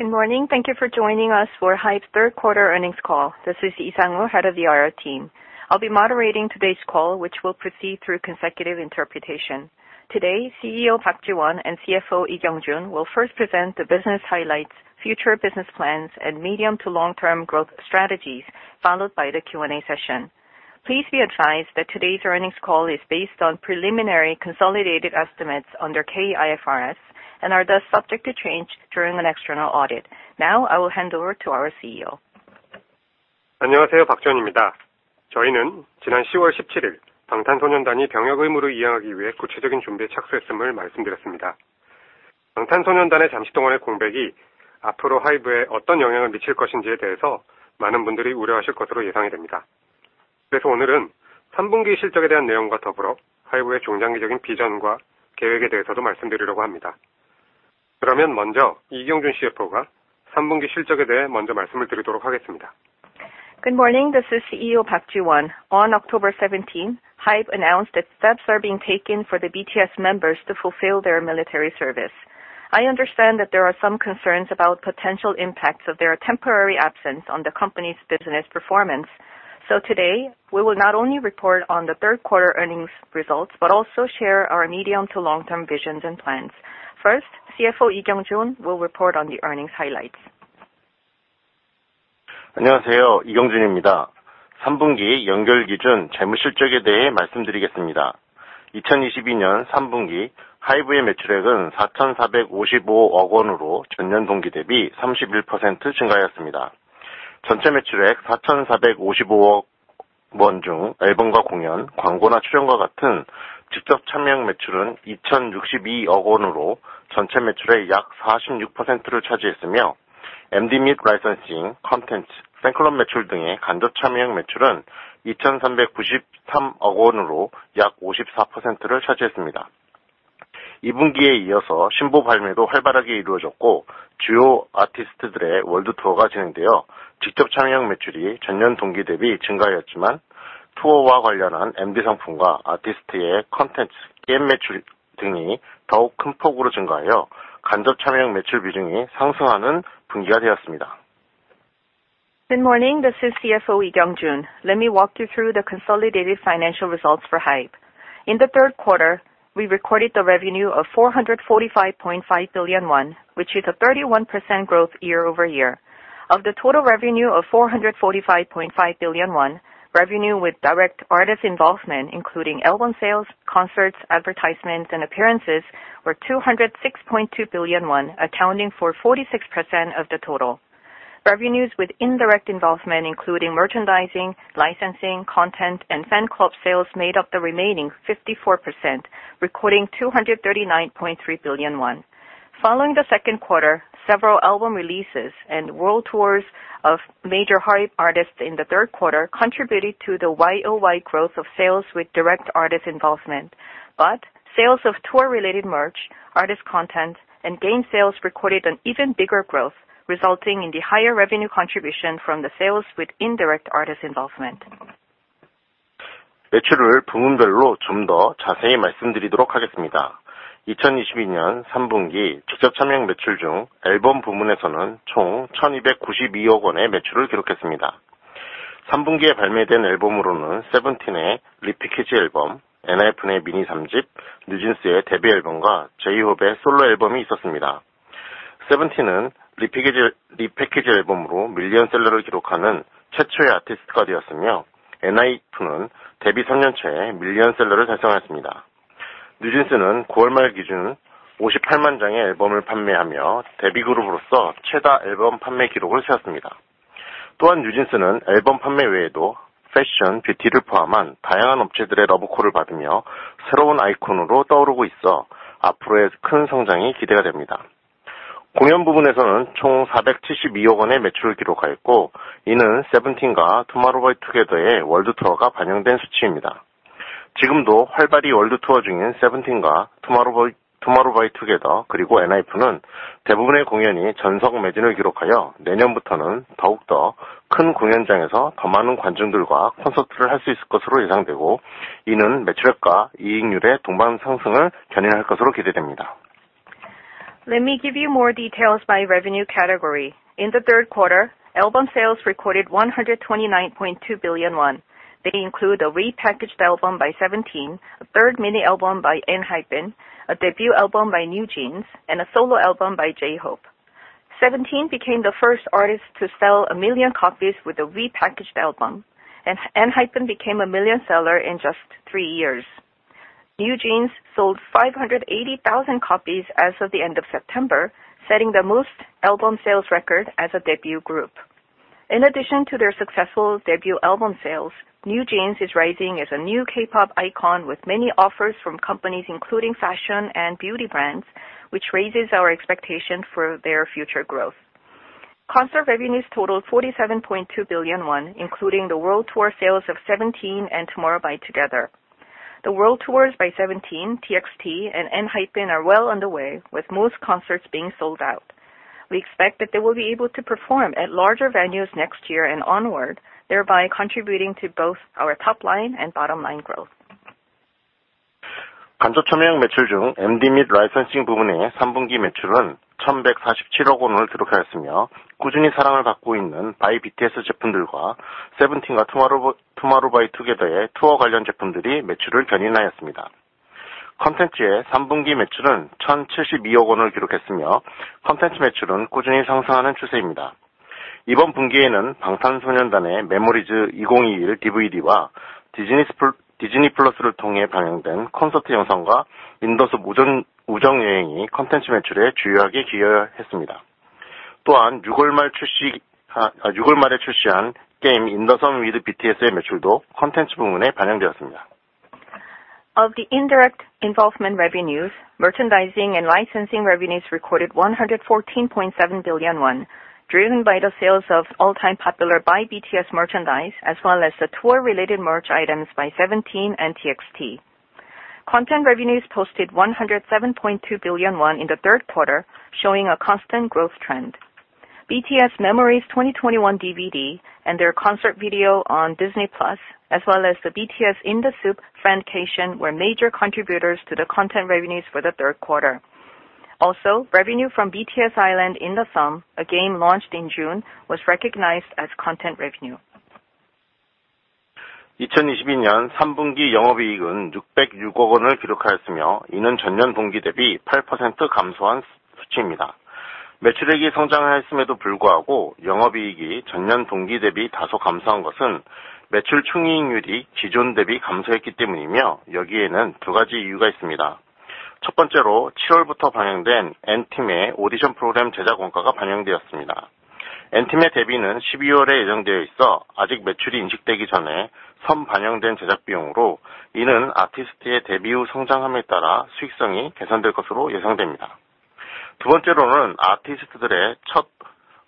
Good morning. Thank you for joining us for HYBE's third quarter earnings call. This is Lee Jae-sang, head of the IR team. I'll be moderating today's call, which will proceed through consecutive interpretation. Today, CEO Park Ji-won and CFO Lee Kyung-jun will first present the business highlights, future business plans and medium to long-term growth strategies, followed by the Q&A session. Please be advised that today's earnings call is based on preliminary consolidated estimates under KIFRS, and are thus subject to change during an external audit. Now I will hand over to our CEO. Good morning. This is CEO Park Ji-won. On October seventeenth, HYBE announced that steps are being taken for the BTS members to fulfill their military service. I understand that there are some concerns about potential impacts of their temporary absence on the company's business performance. Today, we will not only report on the third quarter earnings results, but also share our medium to long-term visions and plans. First, CFO Lee Kyung-jun will report on the earnings highlights. Good morning. This is CFO Lee Kyung-jun. Let me walk you through the consolidated financial results for HYBE. In the third quarter, we recorded revenue of 445.5 billion won, which is a 31% growth year-over-year. Of the total revenue of 445.5 billion won, revenue with direct artist involvement, including album sales, concerts, advertisements, and appearances, was 206.2 billion won, accounting for 46% of the total. Revenues with indirect involvement, including merchandising, licensing, content, and fan club sales, made up the remaining 54%, recording 239.3 billion won. Following the second quarter, several album releases and world tours of major HYBE artists in the third quarter contributed to the YoY growth of sales with direct artist involvement. Sales of tour-related merch, artist content, and game sales recorded an even bigger growth, resulting in the higher revenue contribution from the sales with indirect artist involvement. Let me give you more details by revenue category. In the third quarter, album sales recorded 129.2 billion won. They include a repackaged album by Seventeen, a third mini album by ENHYPEN, a debut album by NewJeans, and a solo album by J-Hope. Seventeen became the first artist to sell a million copies with a repackaged album, and ENHYPEN became a million seller in just three years. NewJeans sold 580,000 copies as of the end of September, setting the most album sales record as a debut group. In addition to their successful debut album sales, NewJeans is rising as a new K-pop icon, with many offers from companies including fashion and beauty brands, which raises our expectation for their future growth. Concert revenues totaled 47.2 billion won, including the world tour sales of Seventeen and Tomorrow X Together. The world tours by Seventeen, TXT, and ENHYPEN are well underway, with most concerts being sold out. We expect that they will be able to perform at larger venues next year and onward, thereby contributing to both our top line and bottom line growth. 간접 판매형 매출 중 MD 및 라이선싱 부문의 3분기 매출은 1,147억 원을 기록하였으며, 꾸준히 사랑을 받고 있는 Artist-Made Collection by BTS 제품들과 Seventeen과 Tomorrow X Together의 투어 관련 제품들이 매출을 견인하였습니다. 콘텐츠의 3분기 매출은 1,072억 원을 기록했으며, 콘텐츠 매출은 꾸준히 상승하는 추세입니다. 이번 분기에는 방탄소년단의 BTS Memories of 2021 DVD와 Disney+를 통해 방영된 콘서트 영상과 인더숲: 우정여행이 콘텐츠 매출에 주요하게 기여했습니다. 또한 6월 말에 출시한 게임 인더섬 with BTS의 매출도 콘텐츠 부문에 반영되었습니다. Of the indirect involvement revenues, merchandising and licensing revenues recorded 114.7 billion won, driven by the sales of all-time popular BTS merchandise as well as the tour-related merch items by Seventeen and TXT. Content revenues posted 107.2 billion won in the third quarter, showing a constant growth trend. BTS Memories of 2021 DVD and their concert video on Disney+, as well as the BTS In the Soop: Friendcation, were major contributors to the content revenues for the third quarter. Also, revenue from BTS Island: In the SEOM, a game launched in June, was recognized as content revenue. 2022년 3분기 영업이익은 606억 원을 기록하였으며, 이는 전년 동기 대비 8% 감소한 수치입니다. 매출액이 성장했음에도 불구하고 영업이익이 전년 동기 대비 다소 감소한 것은 매출 총이익률이 기존 대비 감소했기 때문이며, 여기에는 두 가지 이유가 있습니다. 첫 번째로 7월부터 방영된 &AUDITION - The Howling의 제작 원가가 반영되었습니다. &TEAM의 데뷔는 12월에 예정되어 있어 아직 매출이 인식되기 전에 선반영된 제작 비용으로, 이는 아티스트의 데뷔 후 성장함에 따라 수익성이 개선될 것으로 예상됩니다. 두 번째로는 아티스트들의 첫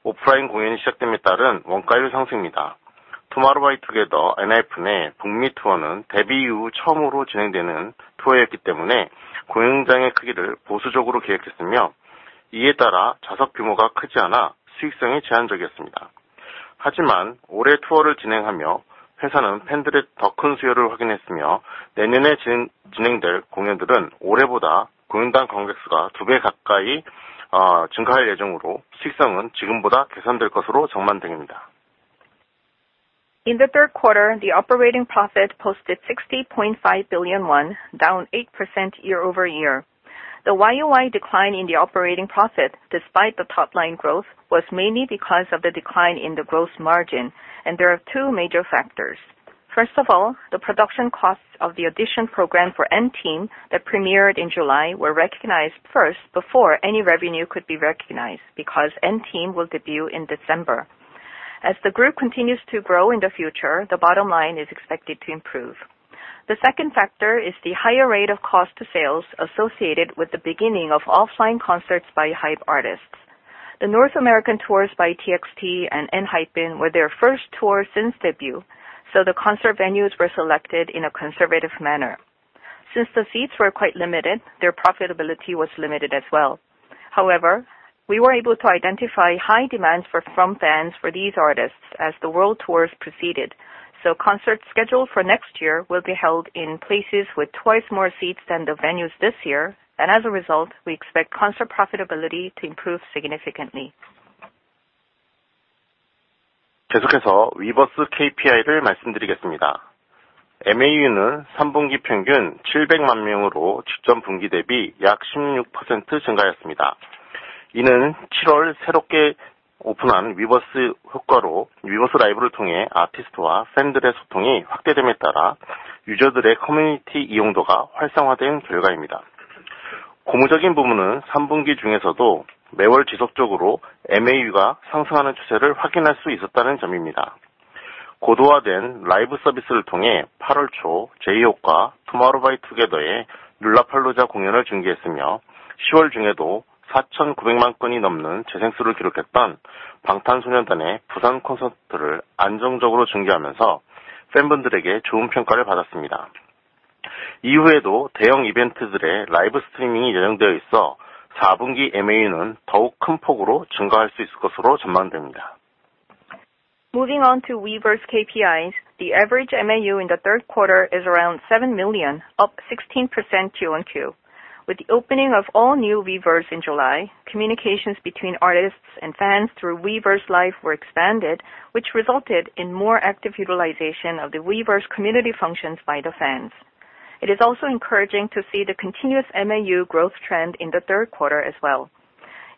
오프라인 공연이 시작됨에 따른 원가율 상승입니다. Tomorrow X Together, ENHYPEN의 북미 투어는 데뷔 이후 처음으로 진행되는 투어였기 때문에 공연장의 크기를 보수적으로 계획했으며, 이에 따라 좌석 규모가 크지 않아 수익성이 제한적이었습니다. 하지만 올해 투어를 진행하며 회사는 팬들의 더큰 수요를 확인했으며, 내년에 진행될 공연들은 올해보다 공연당 관객 수가 두배 가까이 증가할 예정으로 수익성은 지금보다 개선될 것으로 전망됩니다. In the third quarter, the operating profit posted 60.5 billion won, down 8% year-over-year. The YoY decline in the operating profit despite the top-line growth was mainly because of the decline in the gross margin. There are two major factors. First of all, the production costs of the audition program for &TEAM that premiered in July were recognized first before any revenue could be recognized because &TEAM will debut in December. As the group continues to grow in the future, the bottom line is expected to improve. The second factor is the higher costs of sales associated with the beginning of offline concerts by HYBE artists. The North American tours by TXT and ENHYPEN were their first tours since debut, so the concert venues were selected in a conservative manner. Since the seats were quite limited, their profitability was limited as well. However, we were able to identify high demand from fans for these artists as the world tours proceeded. Concerts scheduled for next year will be held in places with twice more seats than the venues this year. As a result, we expect concert profitability to improve significantly. 계속해서 Weverse KPI를 말씀드리겠습니다. MAU는 3분기 평균 700만 명으로 직전 분기 대비 약 16% 증가했습니다. 이는 7월 새롭게 오픈한 Weverse 효과로 Weverse LIVE를 통해 아티스트와 팬들의 소통이 확대됨에 따라 유저들의 커뮤니티 이용도가 활성화된 결과입니다. 고무적인 부분은 3분기 중에서도 매월 지속적으로 MAU가 상승하는 추세를 확인할 수 있었다는 점입니다. 고도화된 라이브 서비스를 통해 8월 초 J-Hope과 Tomorrow X Together의 Lollapalooza 공연을 중계했으며, 10월 중에도 4,900만 건이 넘는 재생 수를 기록했던 방탄소년단의 부산 콘서트를 안정적으로 중계하면서 팬분들에게 좋은 평가를 받았습니다. 이후에도 대형 이벤트들의 라이브 스트리밍이 예정되어 있어 4분기 MAU는 더욱 큰 폭으로 증가할 수 있을 것으로 전망됩니다. Moving on to Weverse KPIs. The average MAU in the third quarter is around 7 million, up 16% QoQ. With the opening of all new Weverse in July, communications between artists and fans through Weverse LIVE were expanded, which resulted in more active utilization of the Weverse community functions by the fans. It is also encouraging to see the continuous MAU growth trend in the third quarter as well.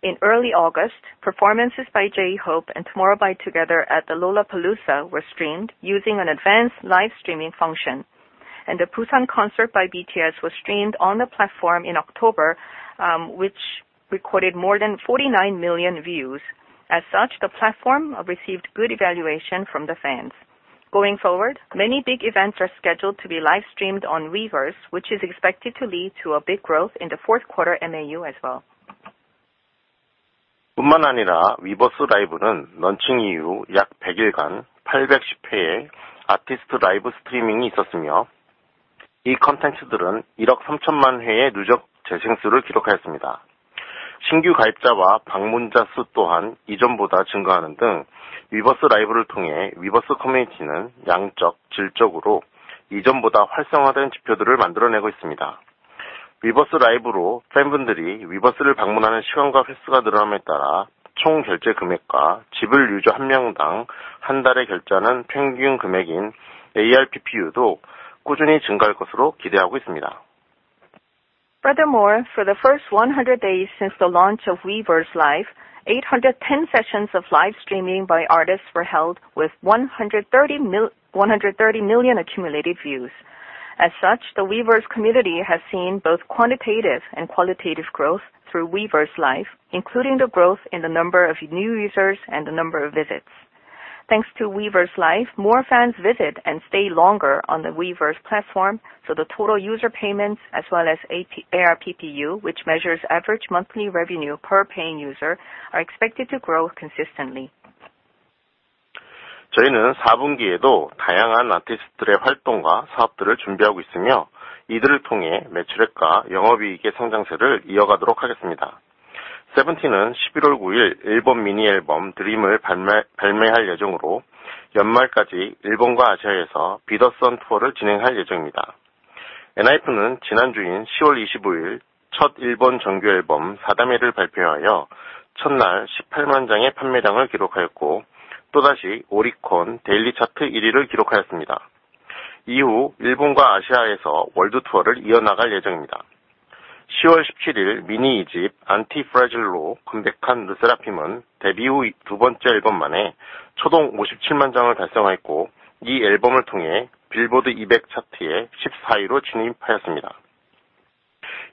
In early August, performances by J-Hope and Tomorrow X Together at Lollapalooza were streamed using an advanced live streaming function, and the Busan concert by BTS was streamed on the platform in October, which recorded more than 49 million views. As such, the platform received good evaluation from the fans. Going forward, many big events are scheduled to be live streamed on Weverse, which is expected to lead to a big growth in the fourth quarter MAU as well. 뿐만 아니라 Weverse LIVE는 런칭 이후 약 백일간 810회의 아티스트 라이브 스트리밍이 있었으며, 이 콘텐츠들은 1억 3,000만 회의 누적 재생 수를 기록하였습니다. 신규 가입자와 방문자 수 또한 이전보다 증가하는 등 Weverse LIVE를 통해 Weverse 커뮤니티는 양적, 질적으로 이전보다 활성화된 지표들을 만들어내고 있습니다. Weverse LIVE로 팬분들이 Weverse를 방문하는 시간과 횟수가 늘어남에 따라 총 결제 금액과 지불 유저 한 명당 한 달에 결제하는 평균 금액인 ARPPU도 꾸준히 증가할 것으로 기대하고 있습니다. Furthermore, for the first 100 days since the launch of Weverse LIVE, 810 sessions of live streaming by artists were held with 130 million accumulated views. As such, the Weverse community has seen both quantitative and qualitative growth through Weverse LIVE, including the growth in the number of new users and the number of visits. Thanks to Weverse LIVE, more fans visit and stay longer on the Weverse platform, so the total user payments, as well as ARPPU, which measures average monthly revenue per paying user, are expected to grow consistently. 저희는 4분기에도 다양한 아티스트들의 활동과 사업들을 준비하고 있으며, 이들을 통해 매출액과 영업이익의 성장세를 이어가도록 하겠습니다. 세븐틴은 11월 9일 일본 미니 앨범 Dream을 발매할 예정으로 연말까지 일본과 아시아에서 Be The Sun 투어를 진행할 예정입니다. 엔하이픈은 지난주인 10월 25일 첫 일본 정규 앨범 定め를 발표하여 첫날 18만 장의 판매량을 기록하였고, 또다시 Oricon 데일리 차트 1위를 기록하였습니다. 이후 일본과 아시아에서 월드 투어를 이어나갈 예정입니다. 10월 17일 미니 2집 Antifragile로 컴백한 르세라핌은 데뷔 후두 번째 앨범만에 초동 57만 장을 달성하였고, 이 앨범을 통해 Billboard 200 차트에 14위로 진입하였습니다.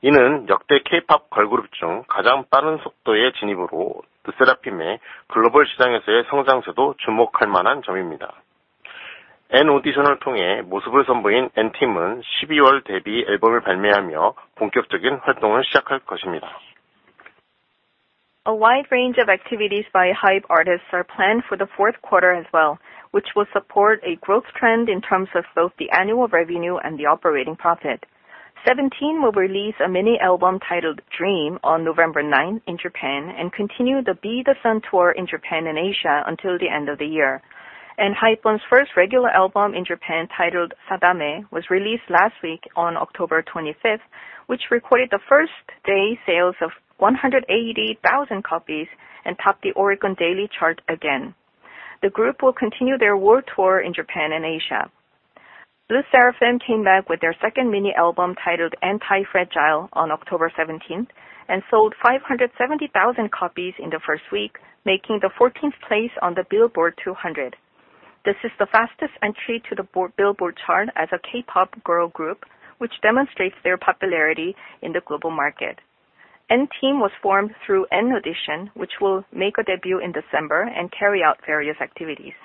이는 역대 K-pop 걸그룹 중 가장 빠른 속도의 진입으로 르세라핌의 글로벌 시장에서의 성장세도 주목할 만한 점입니다. &AUDITION을 통해 모습을 선보인 &TEAM은 12월 데뷔 앨범을 발매하며 본격적인 활동을 시작할 것입니다. A wide range of activities by HYBE artists are planned for the fourth quarter as well, which will support a growth trend in terms of both the annual revenue and the operating profit. Seventeen will release a mini album titled Dream on November ninth in Japan and continue the Be The Sun Tour in Japan and Asia until the end of the year. ENHYPEN's first regular album in Japan, titled Sadame, was released last week on October twenty-fifth, which recorded the first-day sales of 180,000 copies and topped the Oricon Daily Chart again. The group will continue their world tour in Japan and Asia. LE SSERAFIM came back with their second mini album titled Antifragile on October seventeenth and sold 570,000 copies in the first week, making the fourteenth place on the Billboard 200. This is the fastest entry to the Billboard chart as a K-pop girl group, which demonstrates their popularity in the global market. &TEAM was formed through &AUDITION, which will make a debut in December and carry out various activities.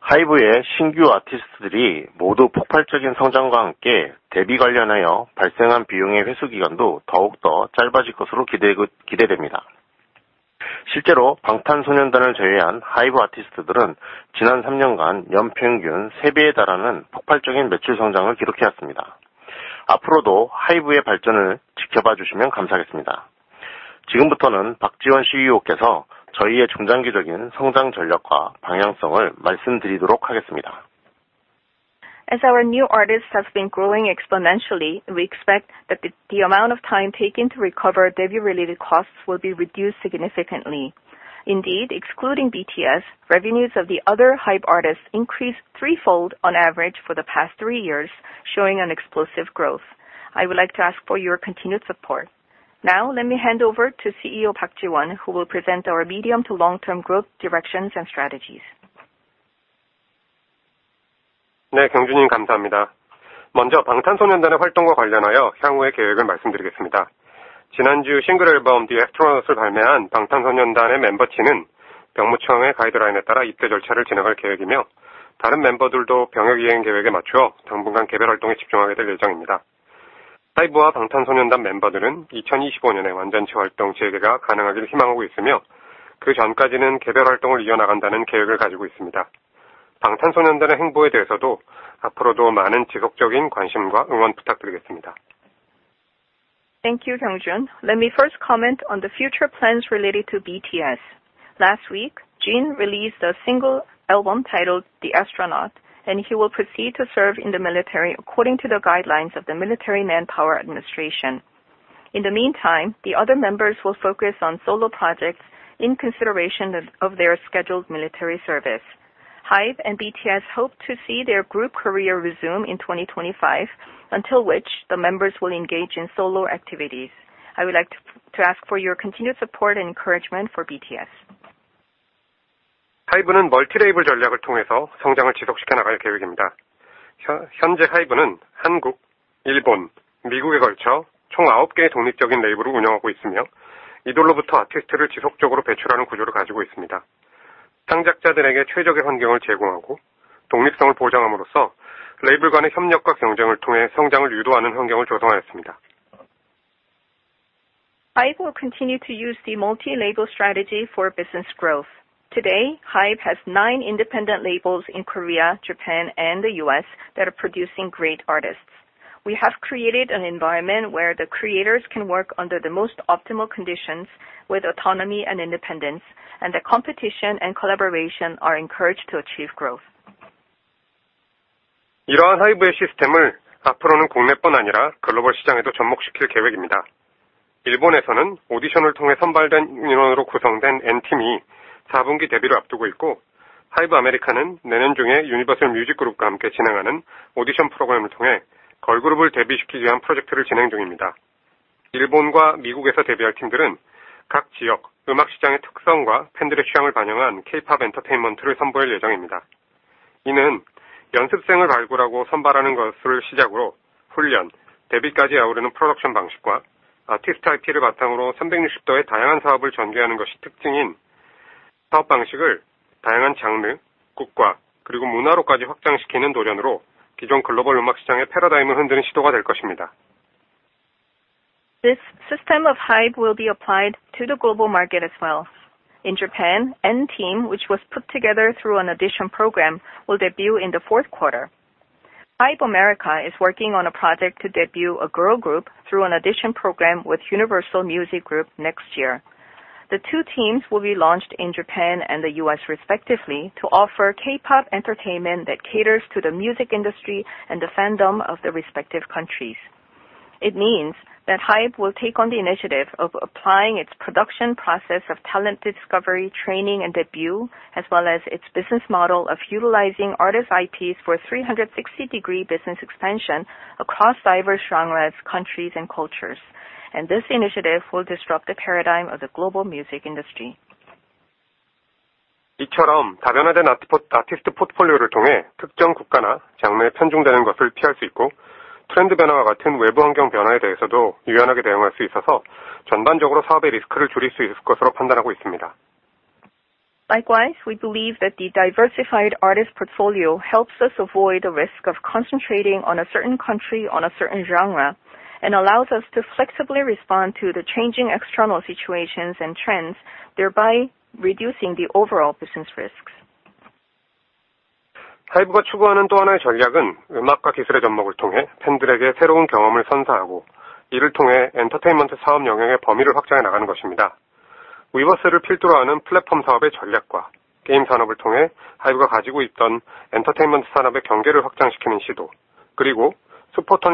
하이브의 신규 아티스트들이 모두 폭발적인 성장과 함께 데뷔 관련하여 발생한 비용의 회수 기간도 더욱더 짧아질 것으로 기대됩니다. 실제로 방탄소년단을 제외한 하이브 아티스트들은 지난 3년간 연평균 3배에 달하는 폭발적인 매출 성장을 기록해 왔습니다. 앞으로도 하이브의 발전을 지켜봐 주시면 감사하겠습니다. 지금부터는 박지원 CEO께서 저희의 중장기적인 성장 전략과 방향성을 말씀드리도록 하겠습니다. As our new artists have been growing exponentially, we expect that the amount of time taken to recover debut-related costs will be reduced significantly. Indeed, excluding BTS, revenues of the other HYBE artists increased threefold on average for the past three years, showing an explosive growth. I would like to ask for your continued support. Now let me hand over to CEO Park Ji-won, who will present our medium to long-term growth directions and strategies. 네, 경준 님 감사합니다. 먼저 방탄소년단의 활동과 관련하여 향후의 계획을 말씀드리겠습니다. 지난주 싱글 앨범 The Astronaut을 발매한 방탄소년단의 멤버 진은 병무청의 가이드라인에 따라 입대 절차를 진행할 계획이며, 다른 멤버들도 병역 이행 계획에 맞춰 당분간 개별 활동에 집중하게 될 예정입니다. 하이브와 방탄소년단 멤버들은 2025년에 완전체 활동 재개가 가능하길 희망하고 있으며, 그전까지는 개별 활동을 이어나간다는 계획을 가지고 있습니다. 방탄소년단의 행보에 대해서도 앞으로도 많은 지속적인 관심과 응원 부탁드리겠습니다. Thank you, Kyung-jun. Let me first comment on the future plans related to BTS. Last week, Jin released a single album titled The Astronaut, and he will proceed to serve in the military according to the guidelines of the Military Manpower Administration. In the meantime, the other members will focus on solo projects in consideration of their scheduled military service. HYBE and BTS hope to see their group career resume in 2025, until which the members will engage in solo activities. I would like to ask for your continued support and encouragement for BTS. 하이브는 멀티 레이블 전략을 통해서 성장을 지속시켜 나갈 계획입니다. 현재 하이브는 한국, 일본, 미국에 걸쳐 총 아홉 개의 독립적인 레이블을 운영하고 있으며, 이들로부터 아티스트를 지속적으로 배출하는 구조를 가지고 있습니다. 창작자들에게 최적의 환경을 제공하고 독립성을 보장함으로써 레이블 간의 협력과 경쟁을 통해 성장을 유도하는 환경을 조성하였습니다. HYBE will continue to use the multi-label strategy for business growth. Today, HYBE has nine independent labels in Korea, Japan, and the U.S. that are producing great artists. We have created an environment where the creators can work under the most optimal conditions with autonomy and independence, and the competition and collaboration are encouraged to achieve growth. This system of HYBE will be applied to the global market as well. In Japan, &TEAM, which was put together through an audition program, will debut in the fourth quarter. HYBE America is working on a project to debut a girl group through an audition program with Universal Music Group next year. The two teams will be launched in Japan and the U.S. respectively to offer K-pop entertainment that caters to the music industry and the fandom of the respective countries. It means that HYBE will take on the initiative of applying its production process of talent discovery, training, and debut, as well as its business model of utilizing artist IPs for 360-degree business expansion across diverse genres, countries, and cultures. This initiative will disrupt the paradigm of the global music industry. Likewise, we believe that the diversified artist portfolio helps us avoid the risk of concentrating on a certain country, on a certain genre, and allows us to flexibly respond to the changing external situations and trends, thereby reducing the overall business risks. Another strategy that HYBE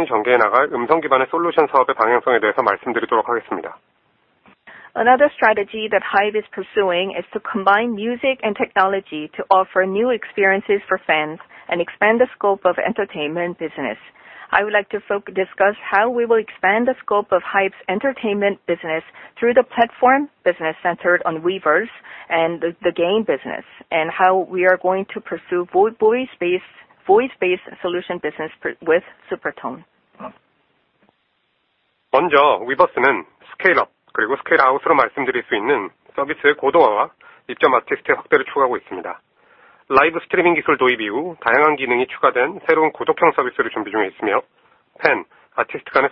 is pursuing is to combine music and technology to offer new experiences for fans and expand the scope of entertainment business. I would like to discuss how we will expand the scope of HYBE's entertainment business through the platform business centered on Weverse and the game business, and how we are going to pursue voice-based solution business with Supertone. First of all, Weverse is implementing the scale up and scale out strategy to advance the services and grow artist participation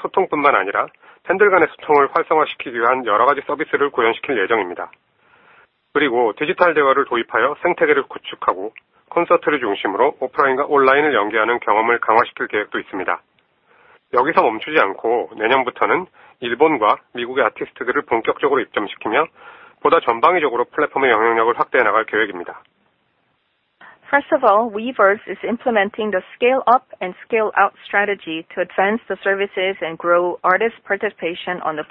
on the platform.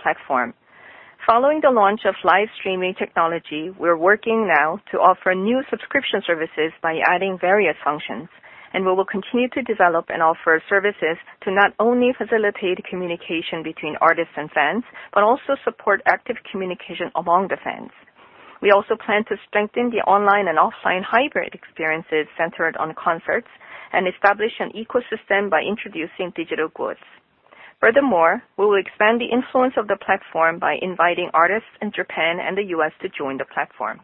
Following the launch of live streaming technology, we're working now to offer new subscription services by adding various functions, and we will continue to develop and offer services to not only facilitate communication between artists and fans, but also support active communication among the fans. We also plan to strengthen the online and offline hybrid experiences centered on concerts and establish an ecosystem by introducing digital goods. Furthermore, we will expand the influence of the platform by inviting artists in Japan and the US to join the platform.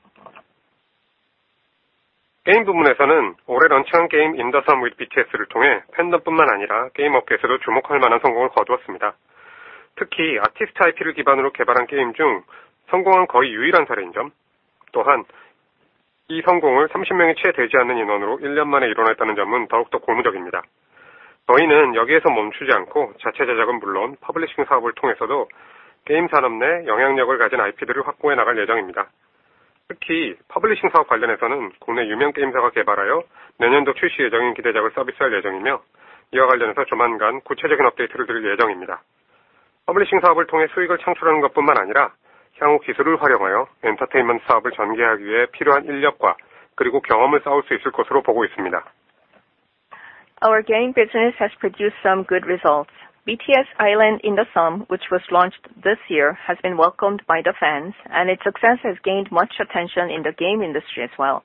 Our game business has produced some good results. BTS Island: In the SEOM, which was launched this year, has been welcomed by the fans, and its success has gained much attention in the game industry as well.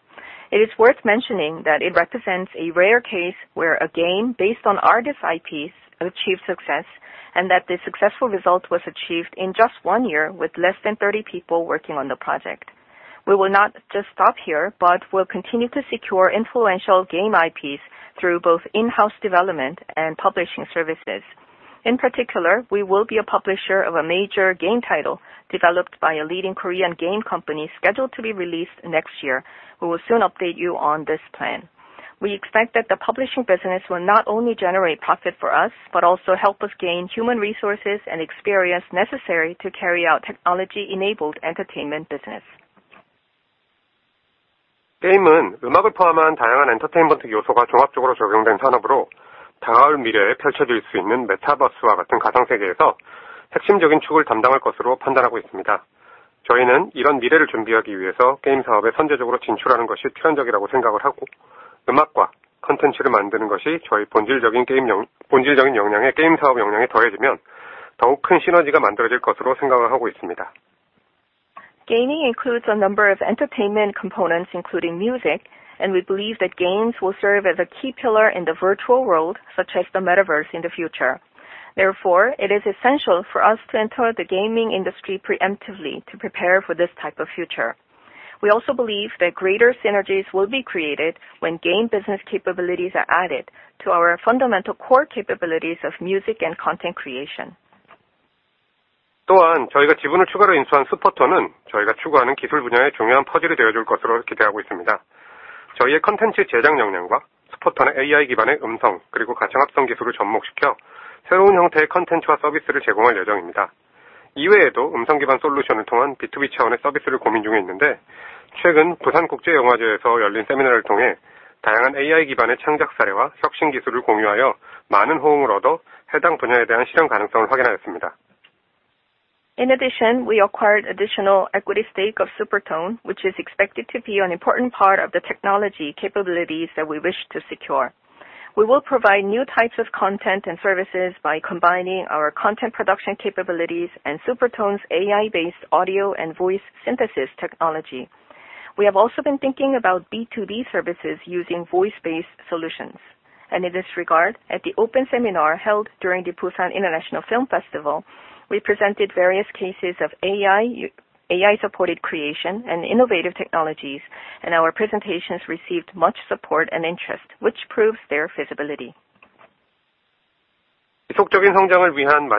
It is worth mentioning that it represents a rare case where a game based on artist IPs achieved success, and that the successful result was achieved in just one year with less than 30 people working on the project. We will not just stop here, but will continue to secure influential game IPs through both in-house development and publishing services. In particular, we will be a publisher of a major game title developed by a leading Korean game company scheduled to be released next year. We will soon update you on this plan. We expect that the publishing business will not only generate profit for us, but also help us gain human resources and experience necessary to carry out technology-enabled entertainment business. Gaming includes a number of entertainment components, including music, and we believe that games will serve as a key pillar in the virtual world, such as the Metaverse in the future. Therefore, it is essential for us to enter the gaming industry preemptively to prepare for this type of future. We also believe that greater synergies will be created when game business capabilities are added to our fundamental core capabilities of music and content creation. In addition, we acquired additional equity stake of Supertone, which is expected to be an important part of the technology capabilities that we wish to secure. We will provide new types of content and services by combining our content production capabilities and Supertone's AI-based audio and voice synthesis technology. We have also been thinking about B2B services using voice-based solutions. In this regard, at the open seminar held during the Busan International Film Festival, we presented various cases of AI-supported creation and innovative technologies, and our presentations received much support and interest, which proves their feasibility. Our final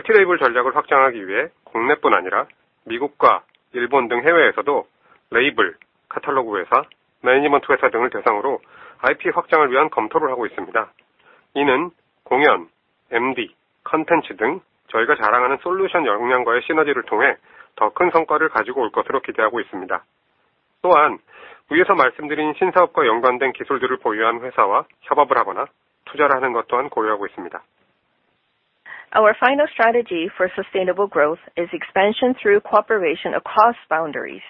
strategy for sustainable growth is expansion through cooperation across boundaries.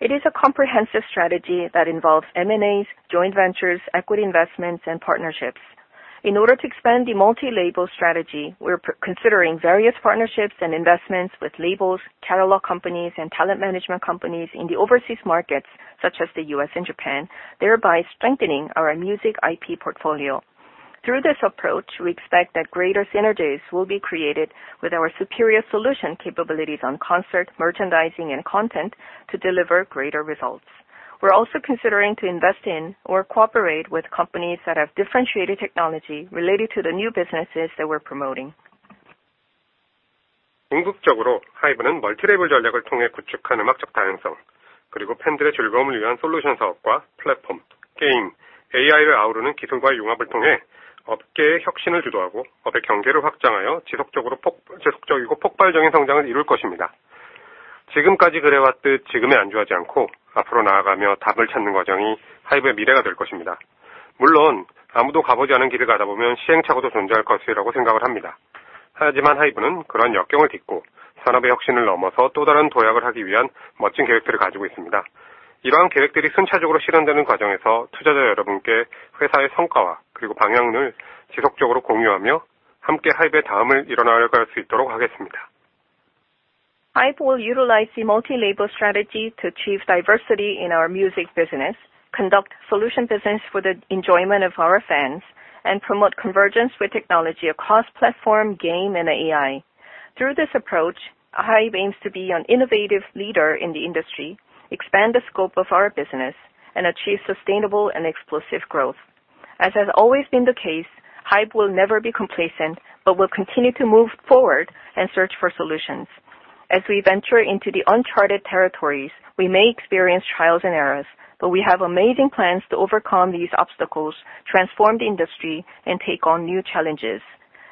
It is a comprehensive strategy that involves M&As, joint ventures, equity investments, and partnerships. In order to expand the multi-label strategy, we're considering various partnerships and investments with labels, catalog companies, and talent management companies in the overseas markets such as the US and Japan, thereby strengthening our music IP portfolio. Through this approach, we expect that greater synergies will be created with our superior solution capabilities on concert, merchandising, and content to deliver greater results. We're also considering to invest in or cooperate with companies that have differentiated technology related to the new businesses that we're promoting. HYBE will utilize the multi-label strategy to achieve diversity in our music business, conduct solution business for the enjoyment of our fans, and promote convergence with technology across platform, game, and AI. Through this approach, HYBE aims to be an innovative leader in the industry, expand the scope of our business, and achieve sustainable and explosive growth. As has always been the case, HYBE will never be complacent, but will continue to move forward and search for solutions. As we venture into the uncharted territories, we may experience trials and errors, but we have amazing plans to overcome these obstacles, transform the industry, and take on new challenges.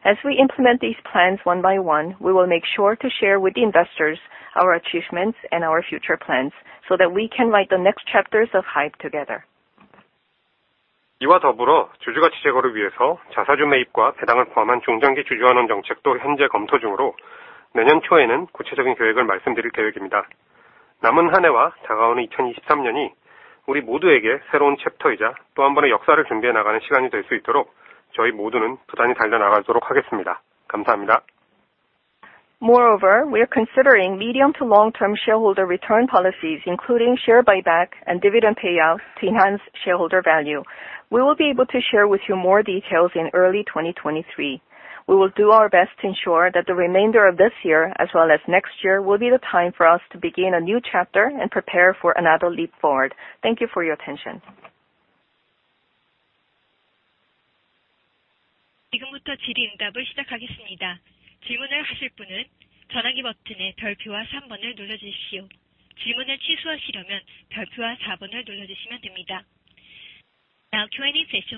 As we implement these plans one by one, we will make sure to share with investors our achievements and our future plans so that we can write the next chapters of HYBE together. Moreover, we are considering medium to long-term shareholder return policies, including share buyback and dividend payouts to enhance shareholder value. We will be able to share with you more details in early 2023. We will do our best to ensure that the remainder of this year, as well as next year, will be the time for us to begin a new chapter and prepare for another leap forward. Thank you for your attention. Now Q&A session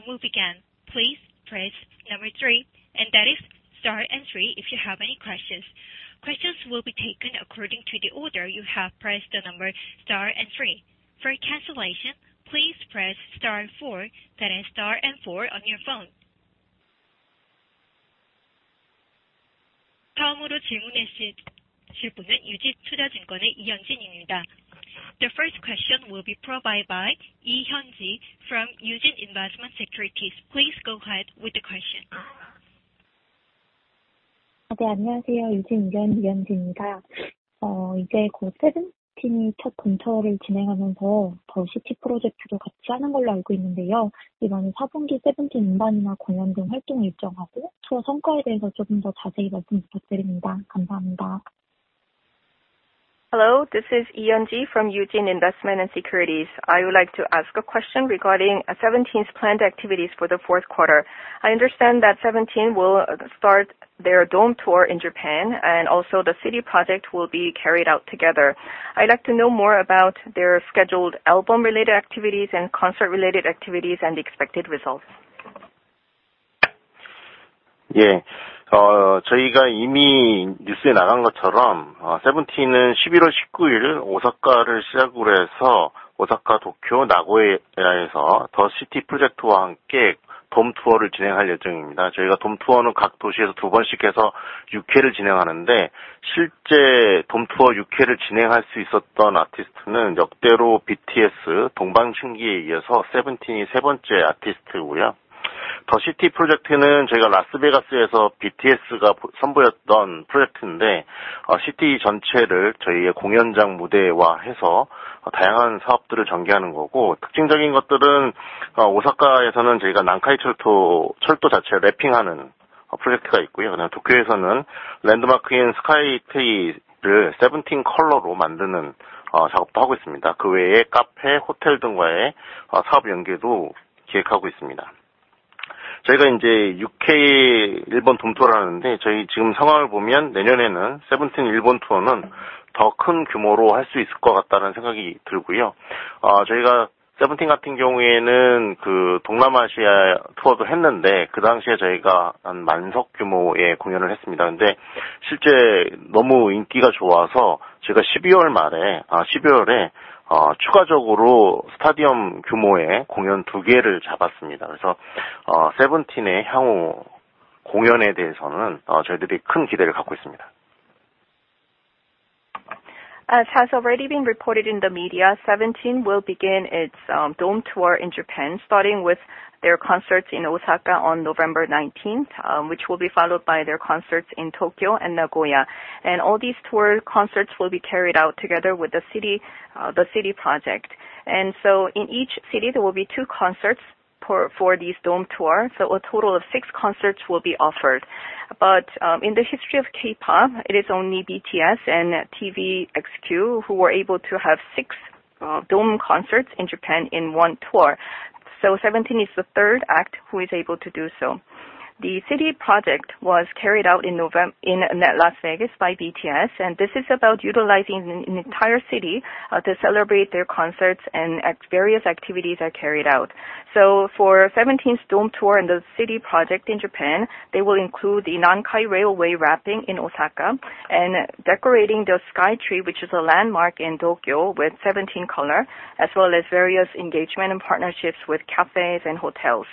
will begin. Please press number three, and that is star and three if you have any questions. Questions will be taken according to the order you have pressed the number star and three. For cancellation, please press star four, that is star and four on your phone. The first question will be provided by Lee Hyun-ji from Eugene Investment & Securities. Please go ahead with the question. Hello, this is Lee Hyun-ji from Eugene Investment & Securities. I would like to ask a question regarding Seventeen's planned activities for the fourth quarter. I understand that Seventeen will start their dome tour in Japan, and also the city project will be carried out together. I'd like to know more about their scheduled album-related activities and concert-related activities and the expected results. As has already been reported in the media, Seventeen will begin its dome tour in Japan, starting with their concerts in Osaka on November nineteenth, which will be followed by their concerts in Tokyo and Nagoya. All these tour concerts will be carried out together with the city project. In each city there will be two concerts for this dome tour, so a total of six concerts will be offered. In the history of K-pop, it is only BTS and TVXQ who were able to have six dome concerts in Japan in one tour. Seventeen is the third act who is able to do so. The city project was carried out in November in Las Vegas by BTS, and this is about utilizing an entire city to celebrate their concerts and various activities are carried out. For Seventeen's dome tour and the city project in Japan, they will include the Nankai Electric Railway wrapping in Osaka and decorating the Skytree, which is a landmark in Tokyo, with Seventeen color, as well as various engagement and partnerships with cafes and hotels.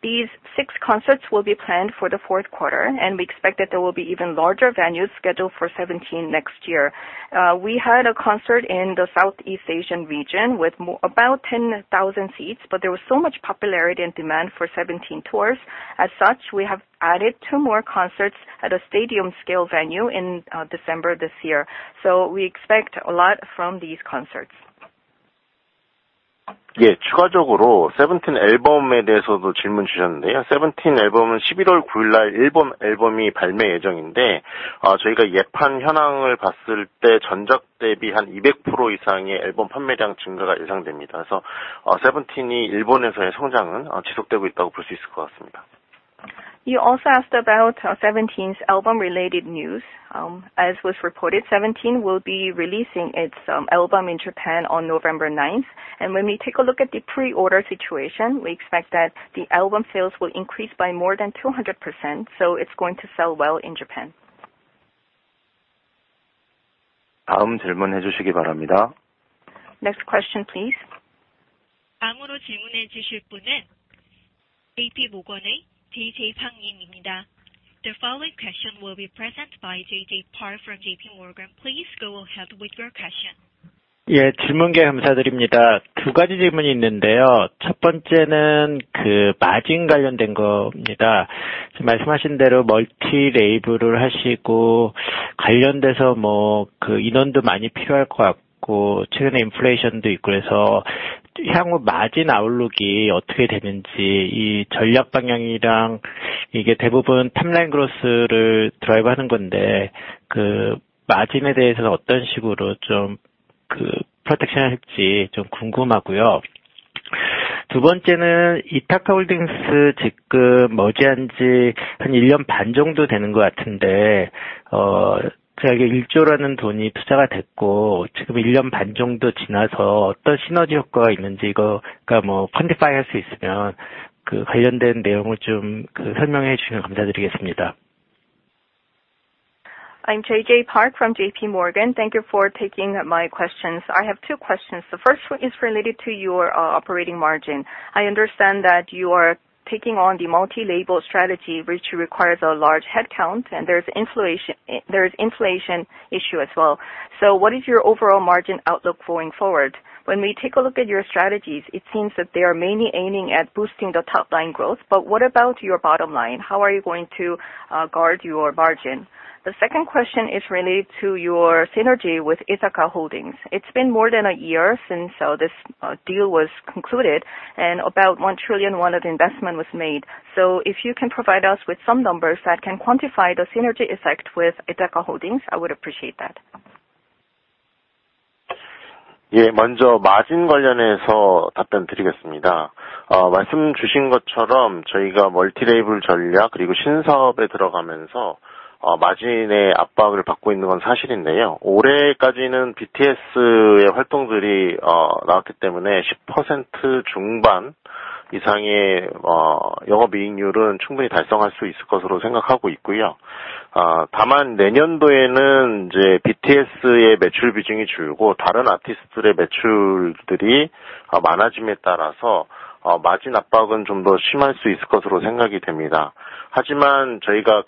These six concerts will be planned for the fourth quarter, and we expect that there will be even larger venues scheduled for Seventeen next year. We had a concert in the Southeast Asian region with about 10,000 seats, but there was so much popularity and demand for Seventeen tours. As such, we have added 2 more concerts at a stadium scale venue in December this year. We expect a lot from these concerts. You also asked about Seventeen's album-related news. As was reported, Seventeen will be releasing its album in Japan on November 9. When we take a look at the pre-order situation, we expect that the album sales will increase by more than 200%, so it's going to sell well in Japan. Next question, please. The following question will be presented by JJ Park from JPMorgan. Please go ahead with your question. 향후 마진 아웃룩이 어떻게 되는지, 이 전략 방향이랑 이게 대부분 탑라인 그로스를 드라이브하는 건데, 그 마진에 대해서는 어떤 식으로 좀그 프로텍션할지 좀 궁금하고요. 두 번째는 이타카 홀딩스 지금 머지한 지한일년반 정도 되는 것 같은데, 그게 1조라는 돈이 투자가 됐고, 지금 일년반 정도 지나서 어떤 시너지 효과가 있는지, 이거 그러니까 뭐 퀀티파이 할수 있으면 그 관련된 내용을 좀 설명해 주시면 감사드리겠습니다. I'm J.J. Park from JPMorgan. Thank you for taking my questions. I have two questions. The first one is related to your operating margin. I understand that you are taking on the multi-label strategy, which requires a large headcount, and there's inflation issue as well. What is your overall margin outlook going forward? When we take a look at your strategies, it seems that they are mainly aiming at boosting the top line growth. What about your bottom line? How are you going to guard your margin? The second question is related to your synergy with Ithaca Holdings. It's been more than a year since this deal was concluded and about 1 trillion won of the investment was made. If you can provide us with some numbers that can quantify the synergy effect with Ithaca Holdings, I would appreciate that. 먼저 마진 관련해서 답변드리겠습니다. 말씀주신 것처럼 저희가 멀티 레이블 전략 그리고 신사업에 들어가면서 마진의 압박을 받고 있는 건 사실인데요. 올해까지는 BTS의 활동들이 나왔기 때문에 10% 중반 이상의 영업이익률은 충분히 달성할 수 있을 것으로 생각하고 있고요. 다만 내년도에는 이제 BTS의 매출 비중이 줄고 다른 아티스트들의 매출들이 많아짐에 따라서 마진 압박은 좀더 심할 수 있을 것으로 생각이 됩니다. 하지만 저희가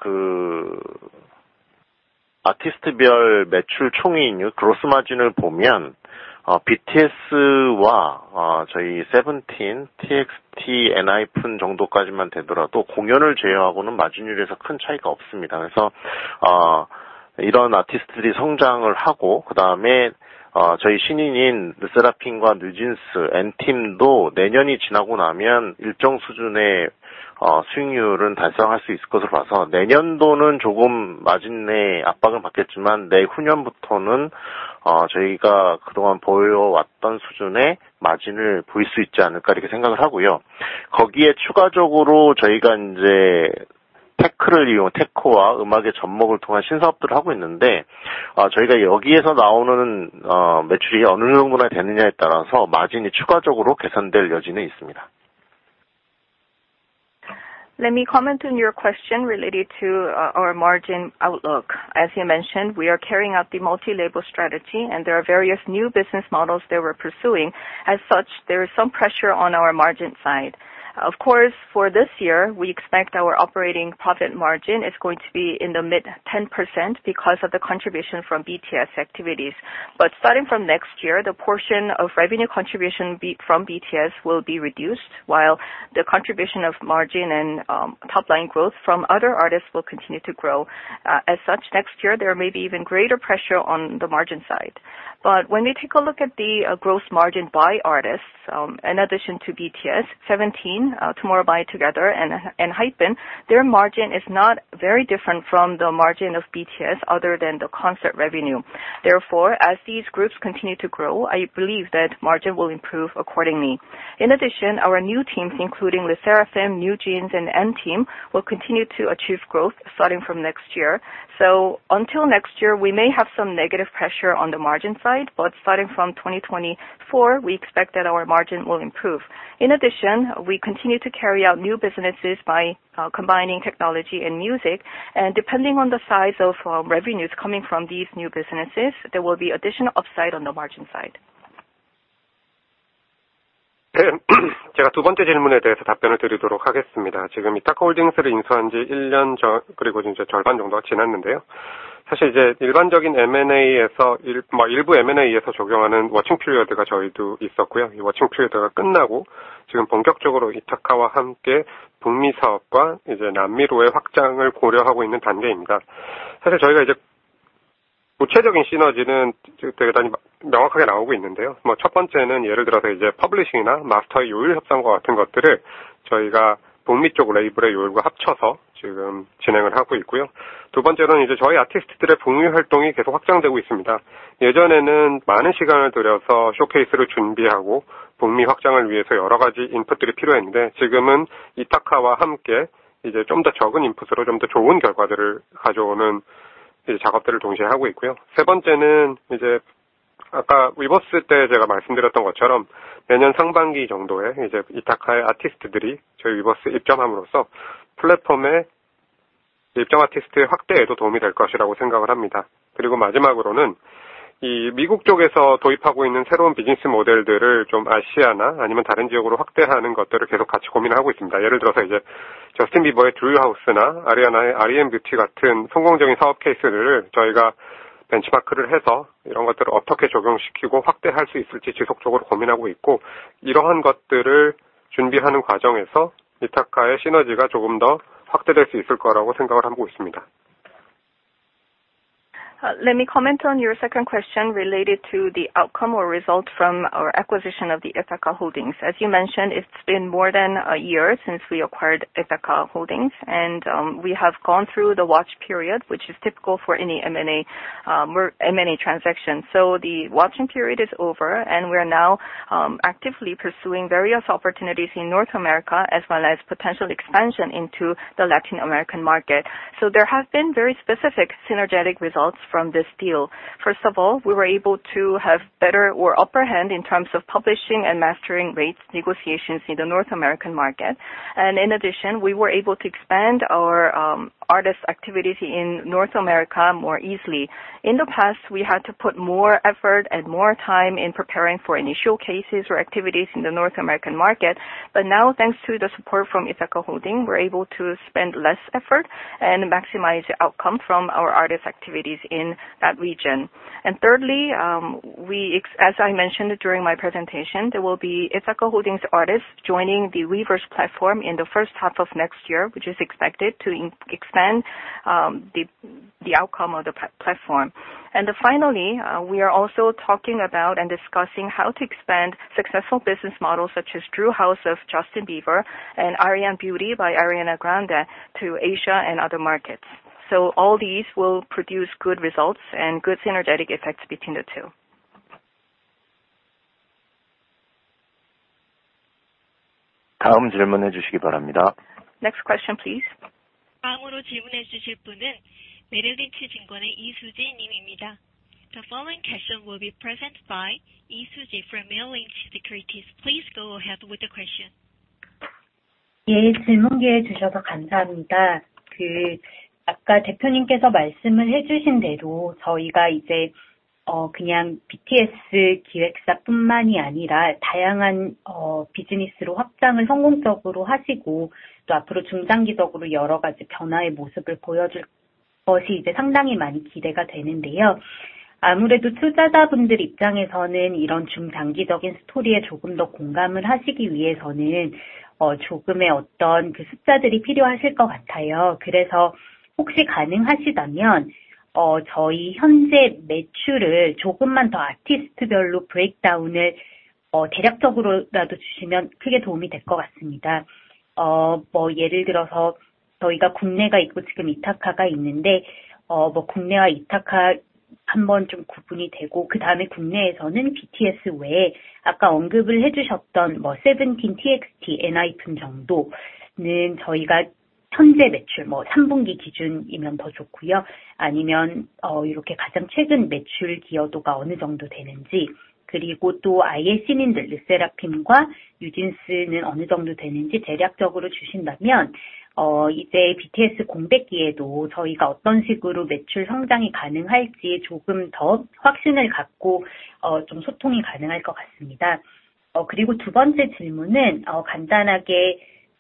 아티스트별 매출 총이익, 그로스 마진을 보면 BTS와 저희 Seventeen, TXT, ENHYPEN 정도까지만 되더라도 공연을 제외하고는 마진율에서 큰 차이가 없습니다. 그래서 이런 아티스트들이 성장을 하고 그다음에 저희 신인인 LE SSERAFIM과 NewJeans, &TEAM도 내년이 지나고 나면 일정 수준의 수익률은 달성할 수 있을 것으로 봐서 내년도는 조금 마진의 압박을 받겠지만 내후년부터는 저희가 그동안 보여왔던 수준의 마진을 볼수 있지 않을까, 이렇게 생각을 하고요. 거기에 추가적으로 저희가 이제 테크를 이용, 테크와 음악의 접목을 통한 신사업들을 하고 있는데, 저희가 여기에서 나오는 매출이 어느 정도나 되느냐에 따라서 마진이 추가적으로 개선될 여지는 있습니다. Let me comment on your question related to our margin outlook. As you mentioned, we are carrying out the multi-label strategy and there are various new business models that we're pursuing. As such, there is some pressure on our margin side. Of course, for this year, we expect our operating profit margin is going to be in the mid-10% because of the contribution from BTS activities. Starting from next year, the portion of revenue contribution from BTS will be reduced, while the contribution of margin and top line growth from other artists will continue to grow. As such, next year there may be even greater pressure on the margin side. When we take a look at the gross margin by artists, in addition to BTS, Seventeen, Tomorrow X Together, and ENHYPEN, their margin is not very different from the margin of BTS other than the concert revenue. Therefore, as these groups continue to grow, I believe that margin will improve accordingly. In addition, our new teams, including LE SSERAFIM, NewJeans, and &TEAM, will continue to achieve growth starting from next year. Until next year, we may have some negative pressure on the margin side, but starting from 2024, we expect that our margin will improve. In addition, we continue to carry out new businesses by combining technology and music. Depending on the size of revenues coming from these new businesses, there will be additional upside on the margin side. 제가 두 번째 질문에 대해서 답변을 드리도록 하겠습니다. 이타카 홀딩스를 인수한 지일년 저, 그리고 이제 절반 정도가 지났는데요. 사실 이제 일반적인 M&A에서 일, 뭐, 일부 M&A에서 적용하는 워칭 피리어드가 저희도 있었고요. 이 워칭 피리어드가 끝나고 지금 본격적으로 이타카와 함께 북미 사업과 이제 남미로의 확장을 고려하고 있는 단계입니다. 사실 저희가 이제 구체적인 시너지는 지금 대단히 명확하게 나오고 있는데요. 첫 번째는 예를 들어서 이제 퍼블리싱이나 마스터의 요율 협상과 같은 것들을 저희가 북미 쪽 레이블의 요율과 합쳐서 지금 진행을 하고 있고요. 두 번째로는 이제 저희 아티스트들의 북미 활동이 계속 확장되고 있습니다. 예전에는 많은 시간을 들여서 쇼케이스를 준비하고 북미 확장을 위해서 여러 가지 인풋들이 필요했는데, 지금은 이타카와 함께 이제 좀더 적은 인풋으로 좀더 좋은 결과들을 가져오는 이 작업들을 동시에 하고 있고요. 세 번째는 이제 아까 Weverse 때 제가 말씀드렸던 것처럼 내년 상반기 정도에 이제 이타카의 아티스트들이 저희 Weverse에 입점함으로써 플랫폼의 입점 아티스트의 확대에도 도움이 될 것이라고 생각을 합니다. 그리고 마지막으로는 이 미국 쪽에서 도입하고 있는 새로운 비즈니스 모델들을 좀 아시아나 아니면 다른 지역으로 확대하는 것들을 계속 같이 고민하고 있습니다. 예를 들어서 저스틴 비버의 Drew House나 아리아나의 R.E.M. Beauty 같은 성공적인 사업 케이스들을 저희가 벤치마크를 해서 이런 것들을 어떻게 적용시키고 확대할 수 있을지 지속적으로 고민하고 있고, 이러한 것들을 준비하는 과정에서 이타카의 시너지가 조금 더 확대될 수 있을 거라고 생각을 하고 있습니다. Let me comment on your second question related to the outcome or results from our acquisition of the Ithaca Holdings. As you mentioned, it's been more than a year since we acquired Ithaca Holdings, and we have gone through the watch period, which is typical for any M&A transaction. The watching period is over, and we are now actively pursuing various opportunities in North America, as well as potential expansion into the Latin American market. There have been very specific synergistic results from this deal. First of all, we were able to have better or upper hand in terms of publishing and mastering rates negotiations in the North American market. In addition, we were able to expand our artists activities in North America more easily. In the past, we had to put more effort and more time in preparing for any showcases or activities in the North American market. Now, thanks to the support from Ithaca Holdings, we're able to spend less effort and maximize outcome from our artist activities in that region. Thirdly, as I mentioned during my presentation, there will be Ithaca Holdings artists joining the Weverse platform in the first half of next year, which is expected to expand the outcome of the platform. Then finally, we are also talking about and discussing how to expand successful business models such as Drew House of Justin Bieber and R.E.M. Beauty by Ariana Grande to Asia and other markets. All these will produce good results and good synergetic effects between the two. Next question, please. The following question will be presented by Lee Suji from Merrill Lynch Securities.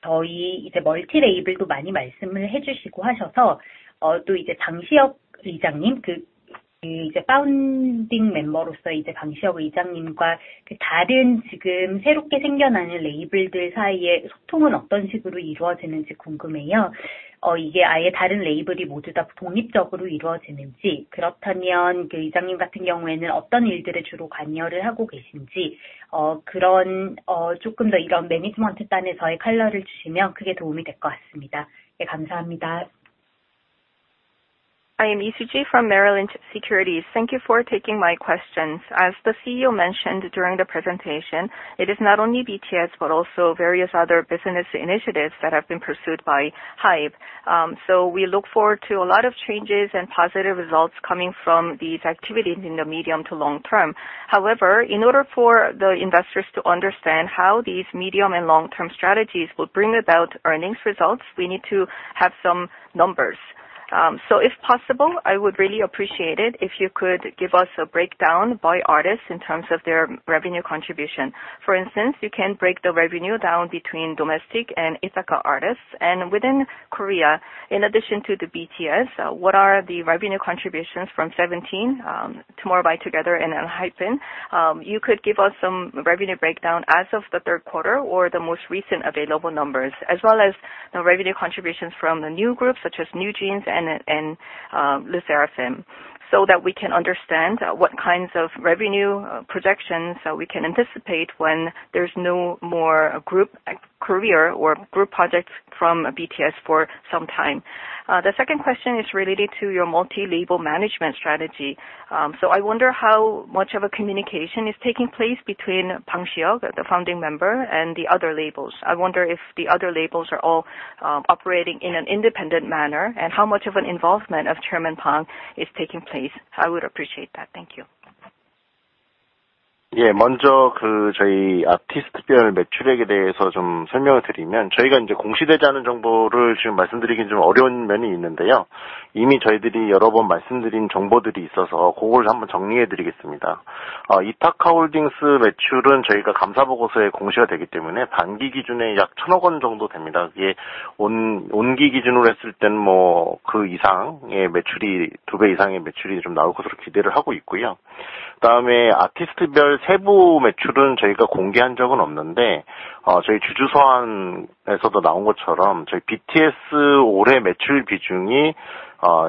Please go ahead with the question. I am Lee Suji from Merrill Lynch Securities. Thank you for taking my questions. As the CEO mentioned during the presentation, it is not only BTS, but also various other business initiatives that have been pursued by HYBE. We look forward to a lot of changes and positive results coming from these activities in the medium to long-term. However, in order for the investors to understand how these medium and long-term strategies will bring about earnings results, we need to have some numbers. If possible, I would really appreciate it if you could give us a breakdown by artists in terms of their revenue contribution. For instance, you can break the revenue down between domestic and Ithaca artists. Within Korea, in addition to the BTS, what are the revenue contributions from Seventeen, Tomorrow X Together and ENHYPEN? You could give us some revenue breakdown as of the third quarter or the most recent available numbers. As well as the revenue contributions from the new groups such as NewJeans and LE SSERAFIM, so that we can understand what kinds of revenue projections we can anticipate when there's no more group career or group projects from BTS for some time. The second question is related to your multi-label management strategy. I wonder how much of a communication is taking place between Bang Si-hyuk, the founding member, and the other labels. I wonder if the other labels are all operating in an independent manner, and how much of an involvement of Chairman Bang is taking place. I would appreciate that. Thank you. 다음에 아티스트별 세부 매출은 저희가 공개한 적은 없는데, 저희 주주서한에서도 나온 것처럼 저희 BTS 올해 매출 비중이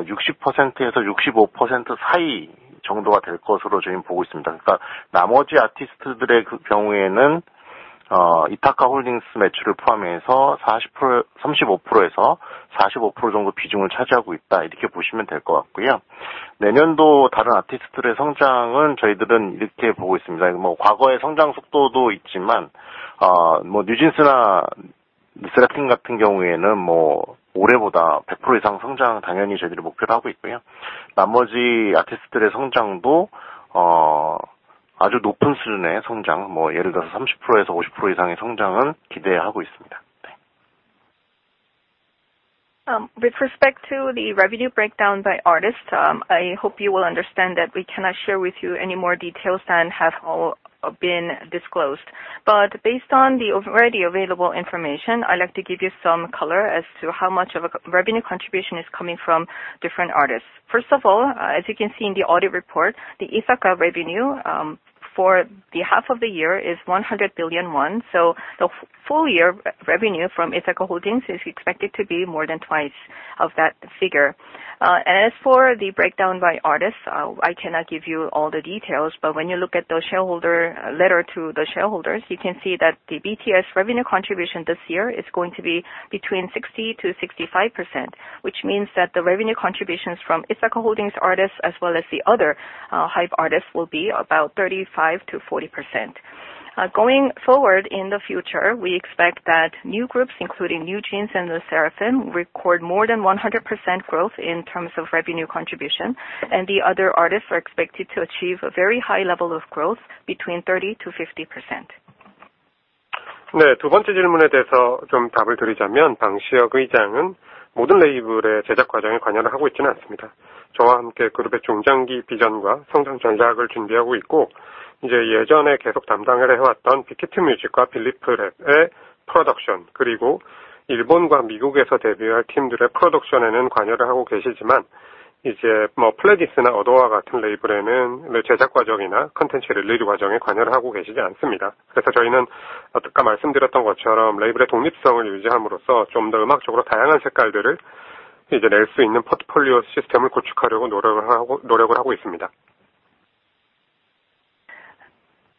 60%에서 65% 사이 정도가 될 것으로 저희는 보고 있습니다. 그러니까 나머지 아티스트들의 경우에는 이타카 홀딩스 매출을 포함해서 35%에서 45% 정도 비중을 차지하고 있다 이렇게 보시면 될것 같고요. 내년도 다른 아티스트들의 성장은 저희들은 이렇게 보고 있습니다. 과거의 성장 속도도 있지만, NewJeans나 르세라핌 같은 경우에는 올해보다 100% 이상 성장은 당연히 저희들이 목표로 하고 있고요. 나머지 아티스트들의 성장도 아주 높은 수준의 성장, 예를 들어서 30%에서 50% 이상의 성장은 기대하고 있습니다. With respect to the revenue breakdown by artist, I hope you will understand that we cannot share with you any more details than have all been disclosed. Based on the already available information, I'd like to give you some color as to how much of a revenue contribution is coming from different artists. First of all, as you can see in the audit report, the Ithaca revenue for the half of the year is 100 billion won. The full year revenue from Ithaca Holdings is expected to be more than twice of that figure. As for the breakdown by artists, I cannot give you all the details, but when you look at the letter to the shareholders, you can see that the BTS revenue contribution this year is going to be between 60%-65%, which means that the revenue contributions from Ithaca Holdings artists, as well as the other HYBE artists will be about 35%-40%. Going forward, in the future, we expect that new groups, including NewJeans and LE SSERAFIM, record more than 100% growth in terms of revenue contribution, and the other artists are expected to achieve a very high level of growth between 30%-50%. 네, 두 번째 질문에 대해서 좀 답을 드리자면, 방시혁 의장은 모든 레이블의 제작 과정에 관여를 하고 있지는 않습니다. 저와 함께 그룹의 중장기 비전과 성장 전략을 준비하고 있고, 예전에 계속 담당을 해왔던 빅히트 뮤직과 빌리프랩의 프로덕션, 그리고 일본과 미국에서 데뷔할 팀들의 프로덕션에는 관여를 하고 계시지만, 플레디스나 어도어와 같은 레이블에는 제작 과정이나 콘텐츠 릴리즈 과정에 관여를 하고 계시지 않습니다. 저희는 아까 말씀드렸던 것처럼 레이블의 독립성을 유지함으로써 좀더 음악적으로 다양한 색깔들을 낼수 있는 포트폴리오 시스템을 구축하려고 노력을 하고 있습니다.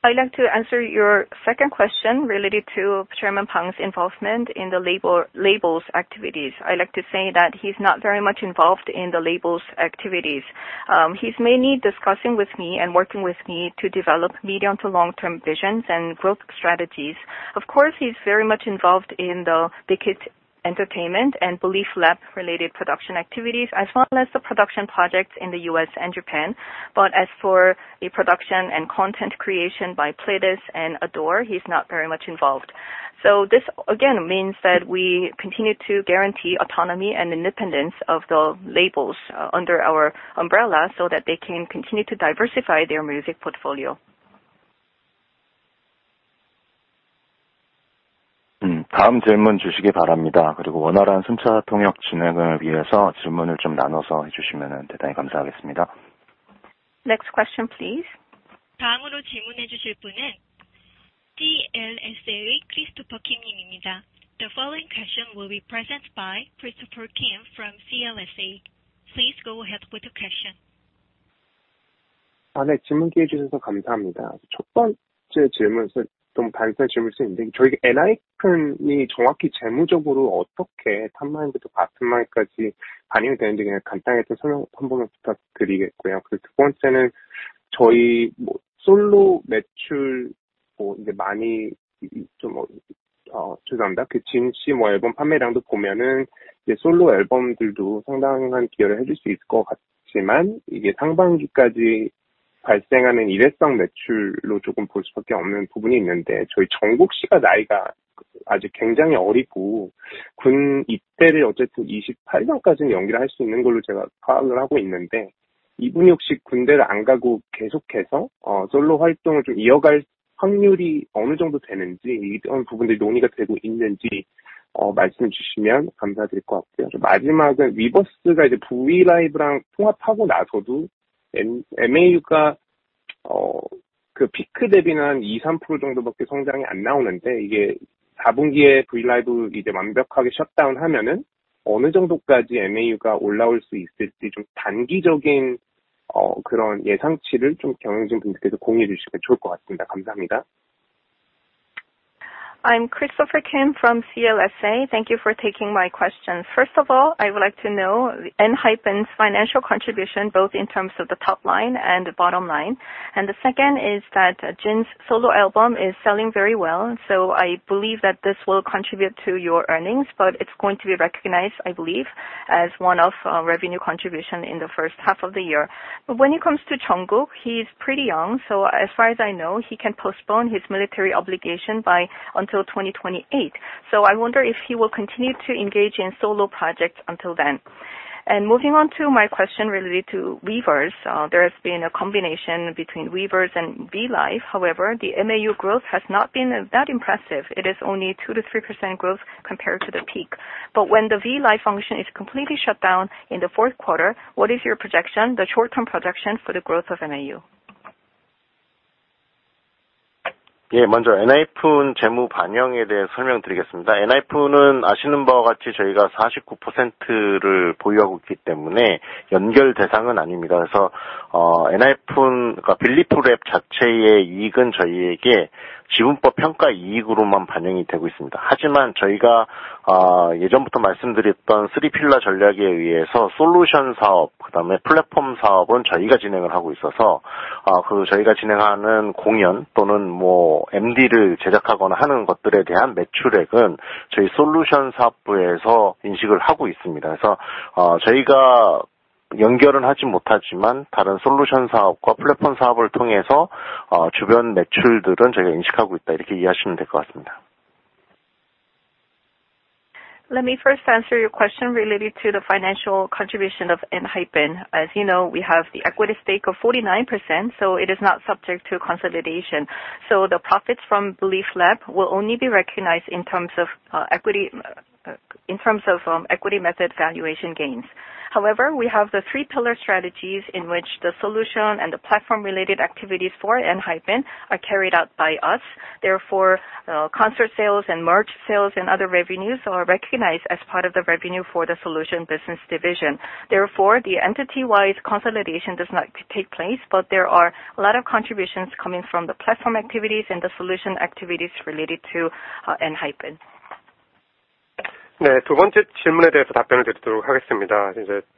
I'd like to answer your second question related to Chairman Bang's involvement in the labels' activities. I'd like to say that he's not very much involved in the labels' activities. He's mainly discussing with me and working with me to develop medium- to long-term visions and growth strategies. Of course, he's very much involved in the Big Hit Entertainment and BELIFT LAB related production activities, as well as the production projects in the U.S. and Japan. As for the production and content creation by Pledis and ADOR, he's not very much involved. This, again, means that we continue to guarantee autonomy and independence of the labels under our umbrella, so that they can continue to diversify their music portfolio. 다음 질문 주시기 바랍니다. 그리고 원활한 순차통역 진행을 위해서 질문을 좀 나눠서 해주시면 대단히 감사하겠습니다. Next question, please. 다음으로 질문해 주실 분은 CLSA의 Christopher Kim 님입니다. The following question will be presented by Christopher Kim from CLSA. Please go ahead with the question. 질문 기회 주셔서 감사합니다. 첫 번째 질문은 좀 단순한 질문일 수 있는데, 저희가 엔하이픈이 정확히 재무적으로 어떻게 top line부터 bottom line까지 반영이 되는지 그냥 간단하게 좀 설명 한 번만 부탁드리겠고요. 그리고 두 번째는 솔로 매출, 이제 많이, 진씨 앨범 판매량도 보면은 이제 솔로 앨범들도 상당한 기여를 해줄 수 있을 것 같지만, 이게 상반기까지 발생하는 일회성 매출로 조금 볼 수밖에 없는 부분이 있는데, 저희 정국 씨가 나이가 아직 굉장히 어리고 군 입대를 어쨌든 이십팔 년까지는 연기를 할수 있는 걸로 제가 파악을 하고 있는데, 이분이 혹시 군대를 안 가고 계속해서 솔로 활동을 좀 이어갈 확률이 어느 정도 되는지, 이런 부분들이 논의가 되고 있는지 말씀해 주시면 감사드릴 것 같아요. 마지막은 Weverse가 이제 V LIVE 랑 통합하고 나서도 MAU가 피크 대비는 한 2~3% 정도밖에 성장이 안 나오는데, 이게 4분기에 V LIVE 이제 완벽하게 shutdown 하면은 어느 정도까지 MAU가 올라올 수 있을지, 좀 단기적인 예상치를 좀 경영진분께서 공유해 주시면 좋을 것 같습니다. 감사합니다. I'm Christopher Kim from CLSA. Thank you for taking my question. First of all, I would like to know ENHYPEN's financial contribution, both in terms of the top line and the bottom line. The second is that Jin's solo album is selling very well. I believe that this will contribute to your earnings, but it's going to be recognized, I believe, as one of revenue contribution in the first half of the year. When it comes to Jungkook, he is pretty young, so as far as I know, he can postpone his military obligation by until 2028. I wonder if he will continue to engage in solo projects until then. Moving on to my question related to Weverse. There has been a combination between Weverse and V LIVE. However, the MAU growth has not been that impressive. It is only 2%-3% growth compared to the peak. When the V LIVE function is completely shut down in the fourth quarter, what is your projection, the short-term projection for the growth of MAU? 먼저 ENHYPEN 재무 반영에 대해서 설명드리겠습니다. ENHYPEN은 아시는 바와 같이 저희가 49%를 보유하고 있기 때문에 연결대상은 아닙니다. ENHYPEN, 그러니까 BELIFT LAB 자체의 이익은 저희에게 지분법 평가이익으로만 반영이 되고 있습니다. 하지만 저희가 예전부터 말씀드렸던 쓰리 필러 전략에 의해서 솔루션 사업, 그다음에 플랫폼 사업은 저희가 진행을 하고 있어서 저희가 진행하는 공연 또는 MD를 제작하거나 하는 것들에 대한 매출액은 저희 솔루션 사업부에서 인식을 하고 있습니다. 저희가 연결은 하지 못하지만 다른 솔루션 사업과 플랫폼 사업을 통해서 주변 매출들은 저희가 인식하고 있다, 이렇게 이해하시면 될것 같습니다. Let me first answer your question related to the financial contribution of ENHYPEN. As you know, we have the equity stake of 49%, so it is not subject to consolidation. The profits from BELIFT LAB will only be recognized in terms of equity method valuation gains. However, we have the three-pillar strategies in which the solution and the platform related activities for ENHYPEN are carried out by us. Therefore, concert sales and merch sales and other revenues are recognized as part of the revenue for the solution business division. Therefore, the entity-wise consolidation does not take place, but there are a lot of contributions coming from the platform activities and the solution activities related to ENHYPEN. 두 번째 질문에 대해서 답변을 드리도록 하겠습니다.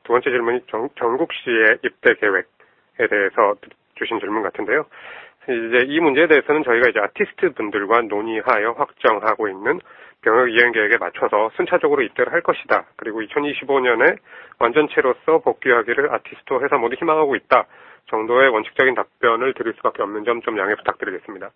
두 번째 질문이 정국 씨의 입대 계획에 대해서 주신 질문 같은데요. 이 문제에 대해서는 저희가 아티스트분들과 논의하여 확정하고 있는 병역 이행 계획에 맞춰서 순차적으로 입대를 할 것이다. 그리고 2025년에 완전체로서 복귀하기를 아티스트와 회사 모두 희망하고 있다 정도의 원칙적인 답변을 드릴 수밖에 없는 점좀 양해 부탁드리겠습니다.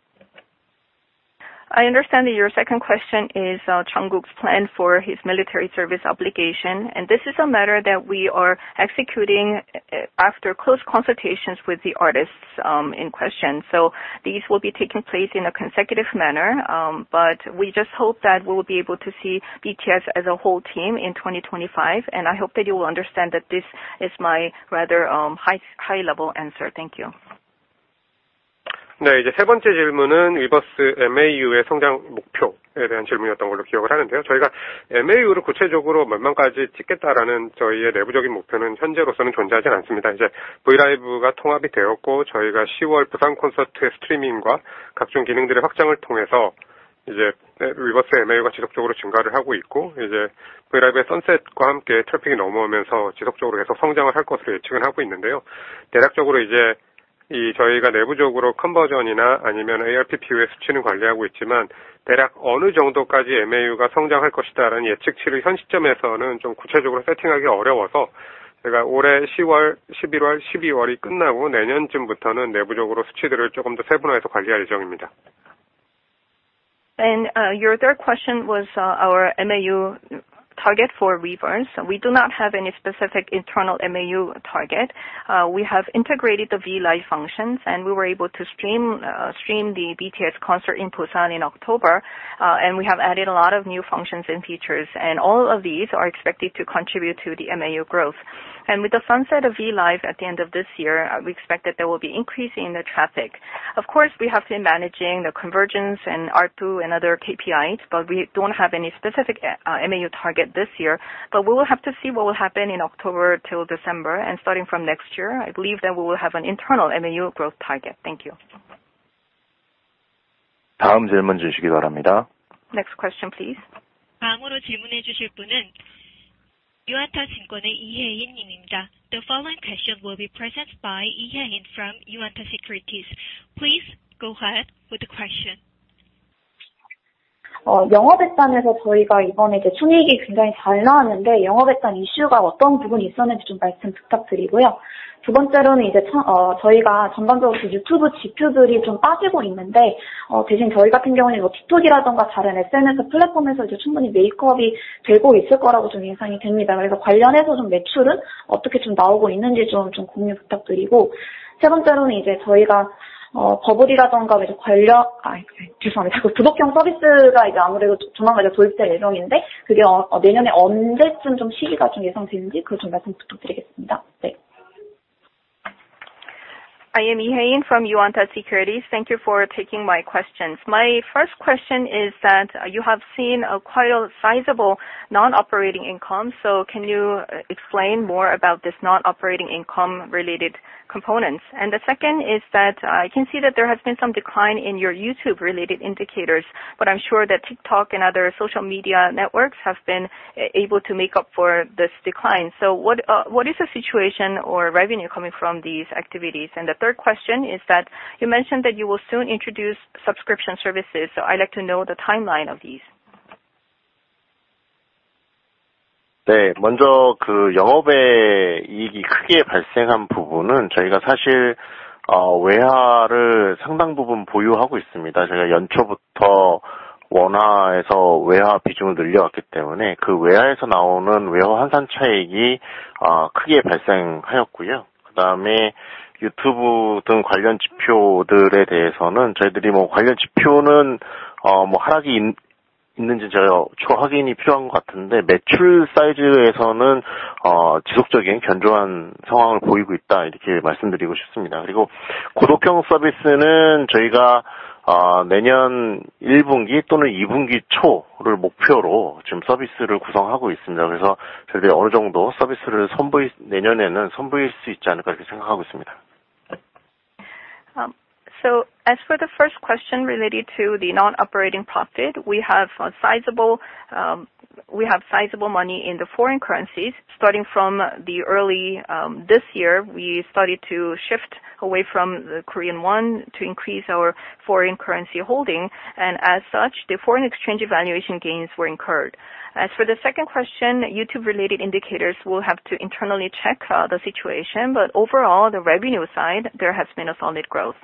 I understand that your second question is, Jungkook's plan for his military service obligation, and this is a matter that we are executing, after close consultations with the artists, in question. These will be taking place in a consecutive manner. We just hope that we'll be able to see BTS as a whole team in 2025. I hope that you will understand that this is my rather, high level answer. Thank you. 네, 이제 세 번째 질문은 Weverse MAU의 성장 목표에 대한 질문이었던 걸로 기억을 하는데요. 저희가 MAU를 구체적으로 몇 만까지 찍겠다라는 저희의 내부적인 목표는 현재로서는 존재하지 않습니다. V LIVE가 통합이 되었고, 저희가 10월 부산 콘서트의 스트리밍과 각종 기능들의 확장을 통해서 Weverse MAU가 지속적으로 증가를 하고 있고, V LIVE의 Sunset과 함께 트래픽이 넘어오면서 지속적으로 계속 성장을 할 것으로 예측을 하고 있는데요. 대략적으로 저희가 내부적으로 컨버전이나 아니면 ARPU의 수치는 관리하고 있지만, 대략 어느 정도까지 MAU가 성장할 것이다라는 예측치를 현 시점에서는 좀 구체적으로 세팅하기 어려워서 저희가 올해 10월, 11월, 12월이 끝나고 내년쯤부터는 내부적으로 수치들을 조금 더 세분화해서 관리할 예정입니다. Your third question was our MAU target for Weverse. We do not have any specific internal MAU target. We have integrated the V LIVE functions, and we were able to stream the BTS concert in Busan in October. We have added a lot of new functions and features, and all of these are expected to contribute to the MAU growth. With the sunset of V LIVE at the end of this year, we expect that there will be increase in the traffic. Of course, we have been managing the convergence and ARPU and other KPIs, but we don't have any specific MAU target this year. We will have to see what will happen in October till December. Starting from next year, I believe that we will have an internal MAU growth target. Thank you. 다음 질문 주시기 바랍니다. Next question please. 다음으로 질문해 주실 분은 유안타 증권의 이혜인 님입니다. The following question will be presented by Lee Hye-in from Yuanta Securities. Please go ahead with the question. 영업 단에서 이번에 순이익이 굉장히 잘 나왔는데 영업 단 이슈가 어떤 부분이 있었는지 좀 말씀 부탁드리고요. 두 번째로는 저희가 전반적으로 YouTube 지표들이 좀 빠지고 있는데, 대신 저희 같은 경우에는 TikTok이라든가 다른 SNS 플랫폼에서 충분히 메이크업이 되고 있을 거라고 좀 예상이 됩니다. 그래서 관련해서 좀 매출은 어떻게 나오고 있는지 좀 공유 부탁드리고요. 세 번째로는 Bubble이라든가 관련 구독형 서비스가 조만간 출시할 예정인데, 내년에 언제쯤 시기가 예상되는지 말씀 부탁드리겠습니다. I am Hye-in from Yuanta Securities. Thank you for taking my questions. My first question is that you have seen a quite sizable non-operating income. Can you explain more about this non-operating income related components? The second is that I can see that there has been some decline in your YouTube related indicators, but I'm sure that TikTok and other social media networks have been able to make up for this decline. What is the situation or revenue coming from these activities? The third question is that you mentioned that you will soon introduce subscription services. I'd like to know the timeline of these. 먼저 영업외 이익이 크게 발생한 부분은 저희가 사실 외화를 상당 부분 보유하고 있습니다. 저희가 연초부터 원화에서 외화 비중을 늘려왔기 때문에 그 외화에서 나오는 외화 환산 차익이 크게 발생하였고요. 그다음에 YouTube 등 관련 지표들에 대해서는 저희들이 관련 지표는 하락이 있... 매출 사이즈에서는 지속적인 견조한 상황을 보이고 있다 이렇게 말씀드리고 싶습니다. 그리고 구독형 서비스는 저희가 내년 1분기 또는 2분기 초를 목표로 지금 서비스를 구성하고 있습니다. 그래서 저희들이 어느 정도 서비스를 선보일, 내년에는 선보일 수 있지 않을까 이렇게 생각하고 있습니다. As for the first question related to the non-operating profit, we have sizable money in the foreign currencies starting from the early this year. We started to shift away from the Korean won to increase our foreign currency holding. As such, the foreign exchange valuation gains were incurred. As for the second question, YouTube related indicators will have to internally check the situation, but overall the revenue side there has been a solid growth.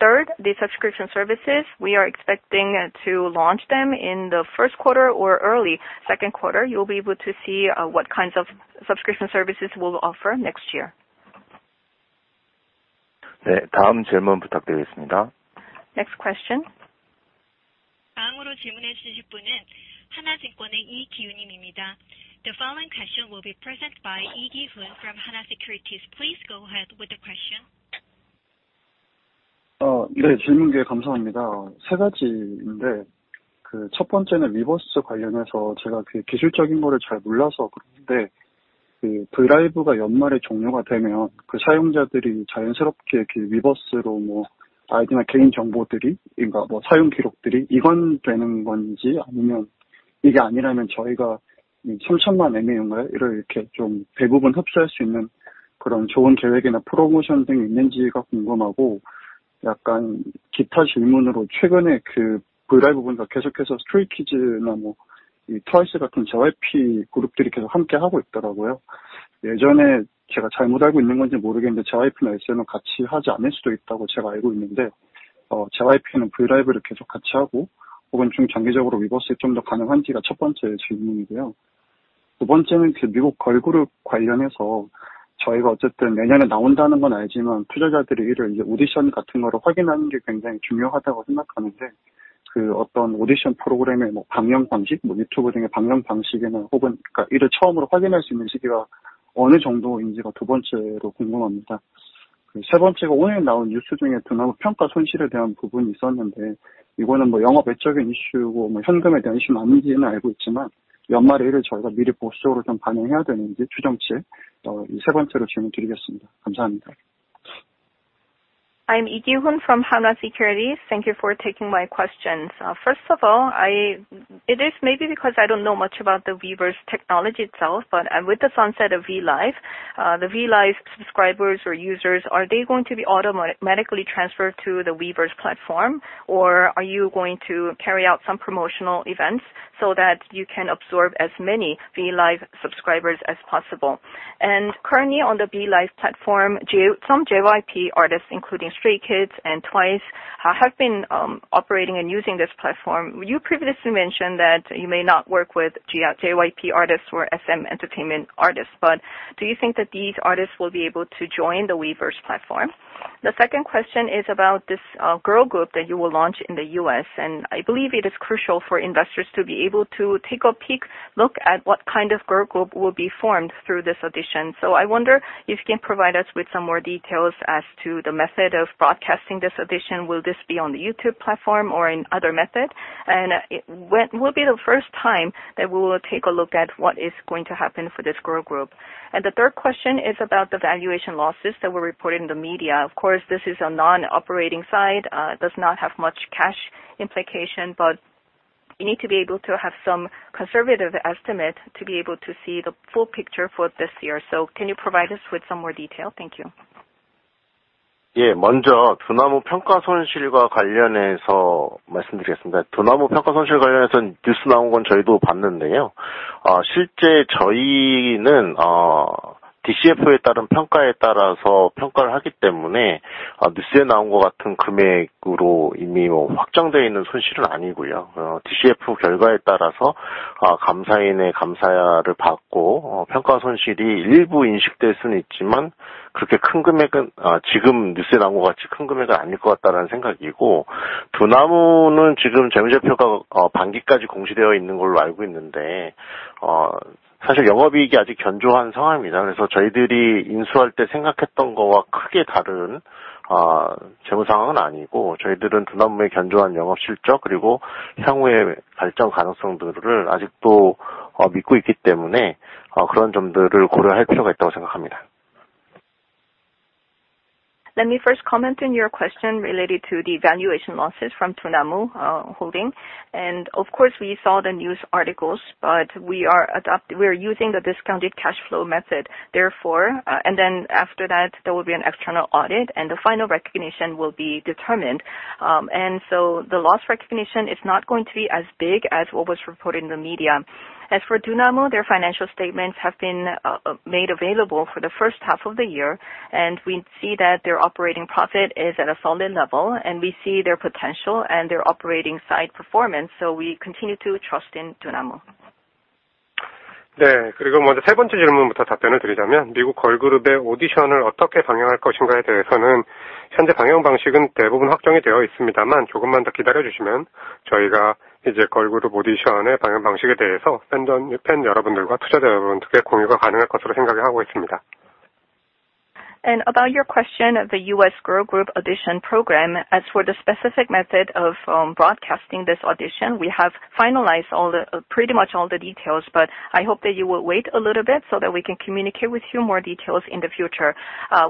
Third, the subscription services we are expecting to launch them in the first quarter or early second quarter. You'll be able to see what kinds of subscription services we'll offer next year. 네, 다음 질문 부탁드리겠습니다. Next question. 다음으로 질문해 주실 분은 하나증권의 이기훈님입니다. The following question will be presented by Lee Ki-hoon from Hana Securities. Please go ahead with the question. 네, 질문 감사합니다. 세 가지인데, 첫 번째는 Weverse 관련해서 제가 기술적인 거를 잘 몰라서 그런데, V LIVE 가 연말에 종료가 되면 사용자들이 자연스럽게 Weverse로 아이디나 개인 정보들, 사용 기록들이 이전되는 건지, 아니면 이게 아니라면 저희가 삼천만 MAU를 이렇게 대부분 흡수할 수 있는 좋은 계획이나 프로모션 등이 있는지가 궁금하고. 약간 기타 질문으로 최근에 V LIVE 에서 계속해서 Stray Kids나 Twice 같은 JYP 그룹들이 계속 함께 하고 있더라고요. 제가 잘못 알고 있는 건지 모르겠는데 JYP나 SM은 같이 하지 않을 수도 있다고 알고 있는데, JYP는 V LIVE 를 계속 같이 하고, 혹은 좀 장기적으로 Weverse에 좀더 가능한지가 첫 번째 질문이고요. 두 번째는 미국 걸그룹 관련해서 어쨌든 내년에 나온다는 건 알지만 투자자들이 이를 오디션 같은 거를 확인하는 게 굉장히 중요하다고 생각하는데, 어떤 오디션 프로그램의 방영 방식, YouTube 등의 방영 방식이나 혹은 이를 처음으로 확인할 수 있는 시기가 어느 정도인지가 두 번째로 궁금합니다. 세 번째가 오늘 나온 뉴스 중에 두나무 평가 손실에 대한 부분이 있었는데 이거는 영업 외적인 이슈고 현금에 대한 이슈는 아닌지는 알고 있지만 연말에 이를 미리 보수적으로 반영해야 되는지 추정치, 세 번째로 질문드리겠습니다. 감사합니다. I'm Lee Kyung-jun from Hana Securities. Thank you for taking my questions. First of all, it is maybe because I don't know much about the Weverse technology itself, but with the sunset of V LIVE, the V LIVE subscribers or users, are they going to be automatically transferred to the Weverse platform, or are you going to carry out some promotional events so that you can absorb as many V LIVE subscribers as possible? Currently on the V LIVE platform, some JYP artists, including Stray Kids and Twice, have been operating and using this platform. You previously mentioned that you may not work with JYP artists or SM Entertainment artists, but do you think that these artists will be able to join the Weverse platform? The second question is about this girl group that you will launch in the U.S., and I believe it is crucial for investors to be able to take a peek at what kind of girl group will be formed through this audition. I wonder if you can provide us with some more details as to the method of broadcasting this audition. Will this be on the YouTube platform or in other method? And when will be the first time that we will take a look at what is going to happen for this girl group? And the third question is about the valuation losses that were reported in the media. Of course, this is a non-operating side, does not have much cash implication, but you need to be able to have some conservative estimate to be able to see the full picture for this year. Can you provide us with some more detail? Thank you. 먼저 두나무 평가 손실과 관련해서 말씀드리겠습니다. 두나무 평가 손실 관련해서 뉴스 나온 건 저희도 봤는데요. 실제 저희는 DCF에 따른 평가에 따라서 평가를 하기 때문에, 뉴스에 나온 것 같은 금액으로 이미 확정되어 있는 손실은 아니고요. DCF 결과에 따라서 감사인의 감사를 받고 평가 손실이 일부 인식될 수는 있지만, 지금 뉴스에 나온 것 같이 큰 금액은 아닐 것 같다라는 생각이고. 두나무는 지금 재무재표가 반기까지 공시되어 있는 걸로 알고 있는데, 사실 영업이익이 아직 견조한 상황입니다. 그래서 저희들이 인수할 때 생각했던 거와 크게 다른 재무 상황은 아니고, 저희들은 두나무의 견조한 영업실적 그리고 향후의 발전 가능성들을 아직도 믿고 있기 때문에, 그런 점들을 고려할 필요가 있다고 생각합니다. Let me first comment on your question related to the valuation losses from Dunamu Holding. Of course, we saw the news articles, but we are using the discounted cash flow method, therefore. Then after that there will be an external audit and the final recognition will be determined. The loss recognition is not going to be as big as what was reported in the media. As for Dunamu, their financial statements have been made available for the first half of the year, and we see that their operating profit is at a solid level and we see their potential and their operating side performance. We continue to trust in Dunamu. 네, 그리고 먼저 세 번째 질문부터 답변을 드리자면, 미국 걸그룹의 오디션을 어떻게 방영할 것인가에 대해서는 현재 방영 방식은 대부분 확정이 되어 있습니다만, 조금만 더 기다려 주시면 저희가 이제 걸그룹 오디션의 방영 방식에 대해서 팬 여러분들과 투자자 여러분들께 공유가 가능할 것으로 생각을 하고 있습니다. About your question of the US girl group audition program. As for the specific method of broadcasting this audition, we have finalized pretty much all the details, but I hope that you will wait a little bit so that we can communicate with you more details in the future.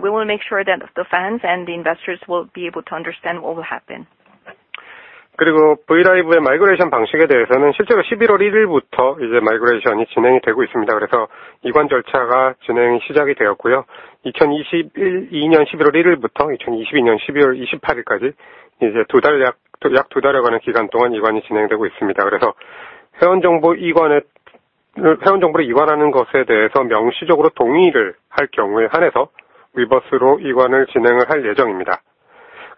We will make sure that the fans and the investors will be able to understand what will happen. V LIVE의 마이그레이션 방식에 대해서는 실제로 11월 1일부터 마이그레이션이 진행이 되고 있습니다. 이관 절차가 진행이 시작이 되었고요. 2022년 11월 1일부터 2022년 12월 28일까지 약두 달여간의 기간 동안 이관이 진행되고 있습니다. 회원 정보를 이관하는 것에 대해서 명시적으로 동의를 할 경우에 한해서 Weverse로 이관을 진행할 예정입니다.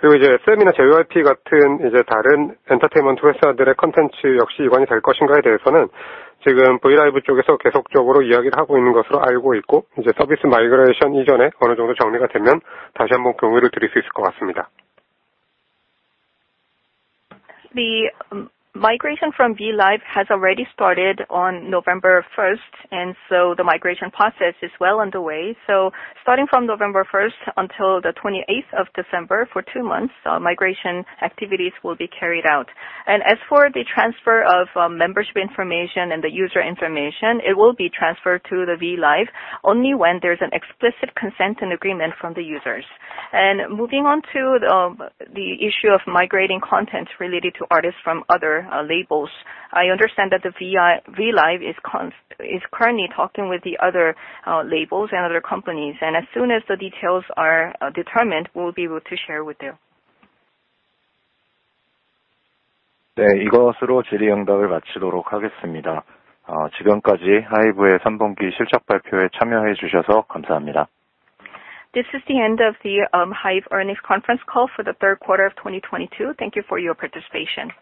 SM이나 JYP 같은 다른 엔터테인먼트 회사들의 콘텐츠 역시 이관이 될 것인가에 대해서는 지금 V LIVE 쪽에서 계속적으로 이야기를 하고 있는 것으로 알고 있고, 서비스 마이그레이션 이전에 어느 정도 정리가 되면 다시 한번 공유를 드릴 수 있을 것 같습니다. The migration from V LIVE has already started on November first, and the migration process is well underway. Starting from November first until the 28th of December, for two months, migration activities will be carried out. As for the transfer of membership information and the user information, it will be transferred to V LIVE only when there's an explicit consent and agreement from the users. Moving on to the issue of migrating content related to artists from other labels. I understand that V LIVE is currently talking with the other labels and other companies, and as soon as the details are determined, we'll be able to share with you. 네, 이것으로 질의응답을 마치도록 하겠습니다. 지금까지 HYBE의 3분기 실적 발표에 참여해 주셔서 감사합니다. This is the end of the HYBE earnings conference call for the third quarter of 2022. Thank you for your participation.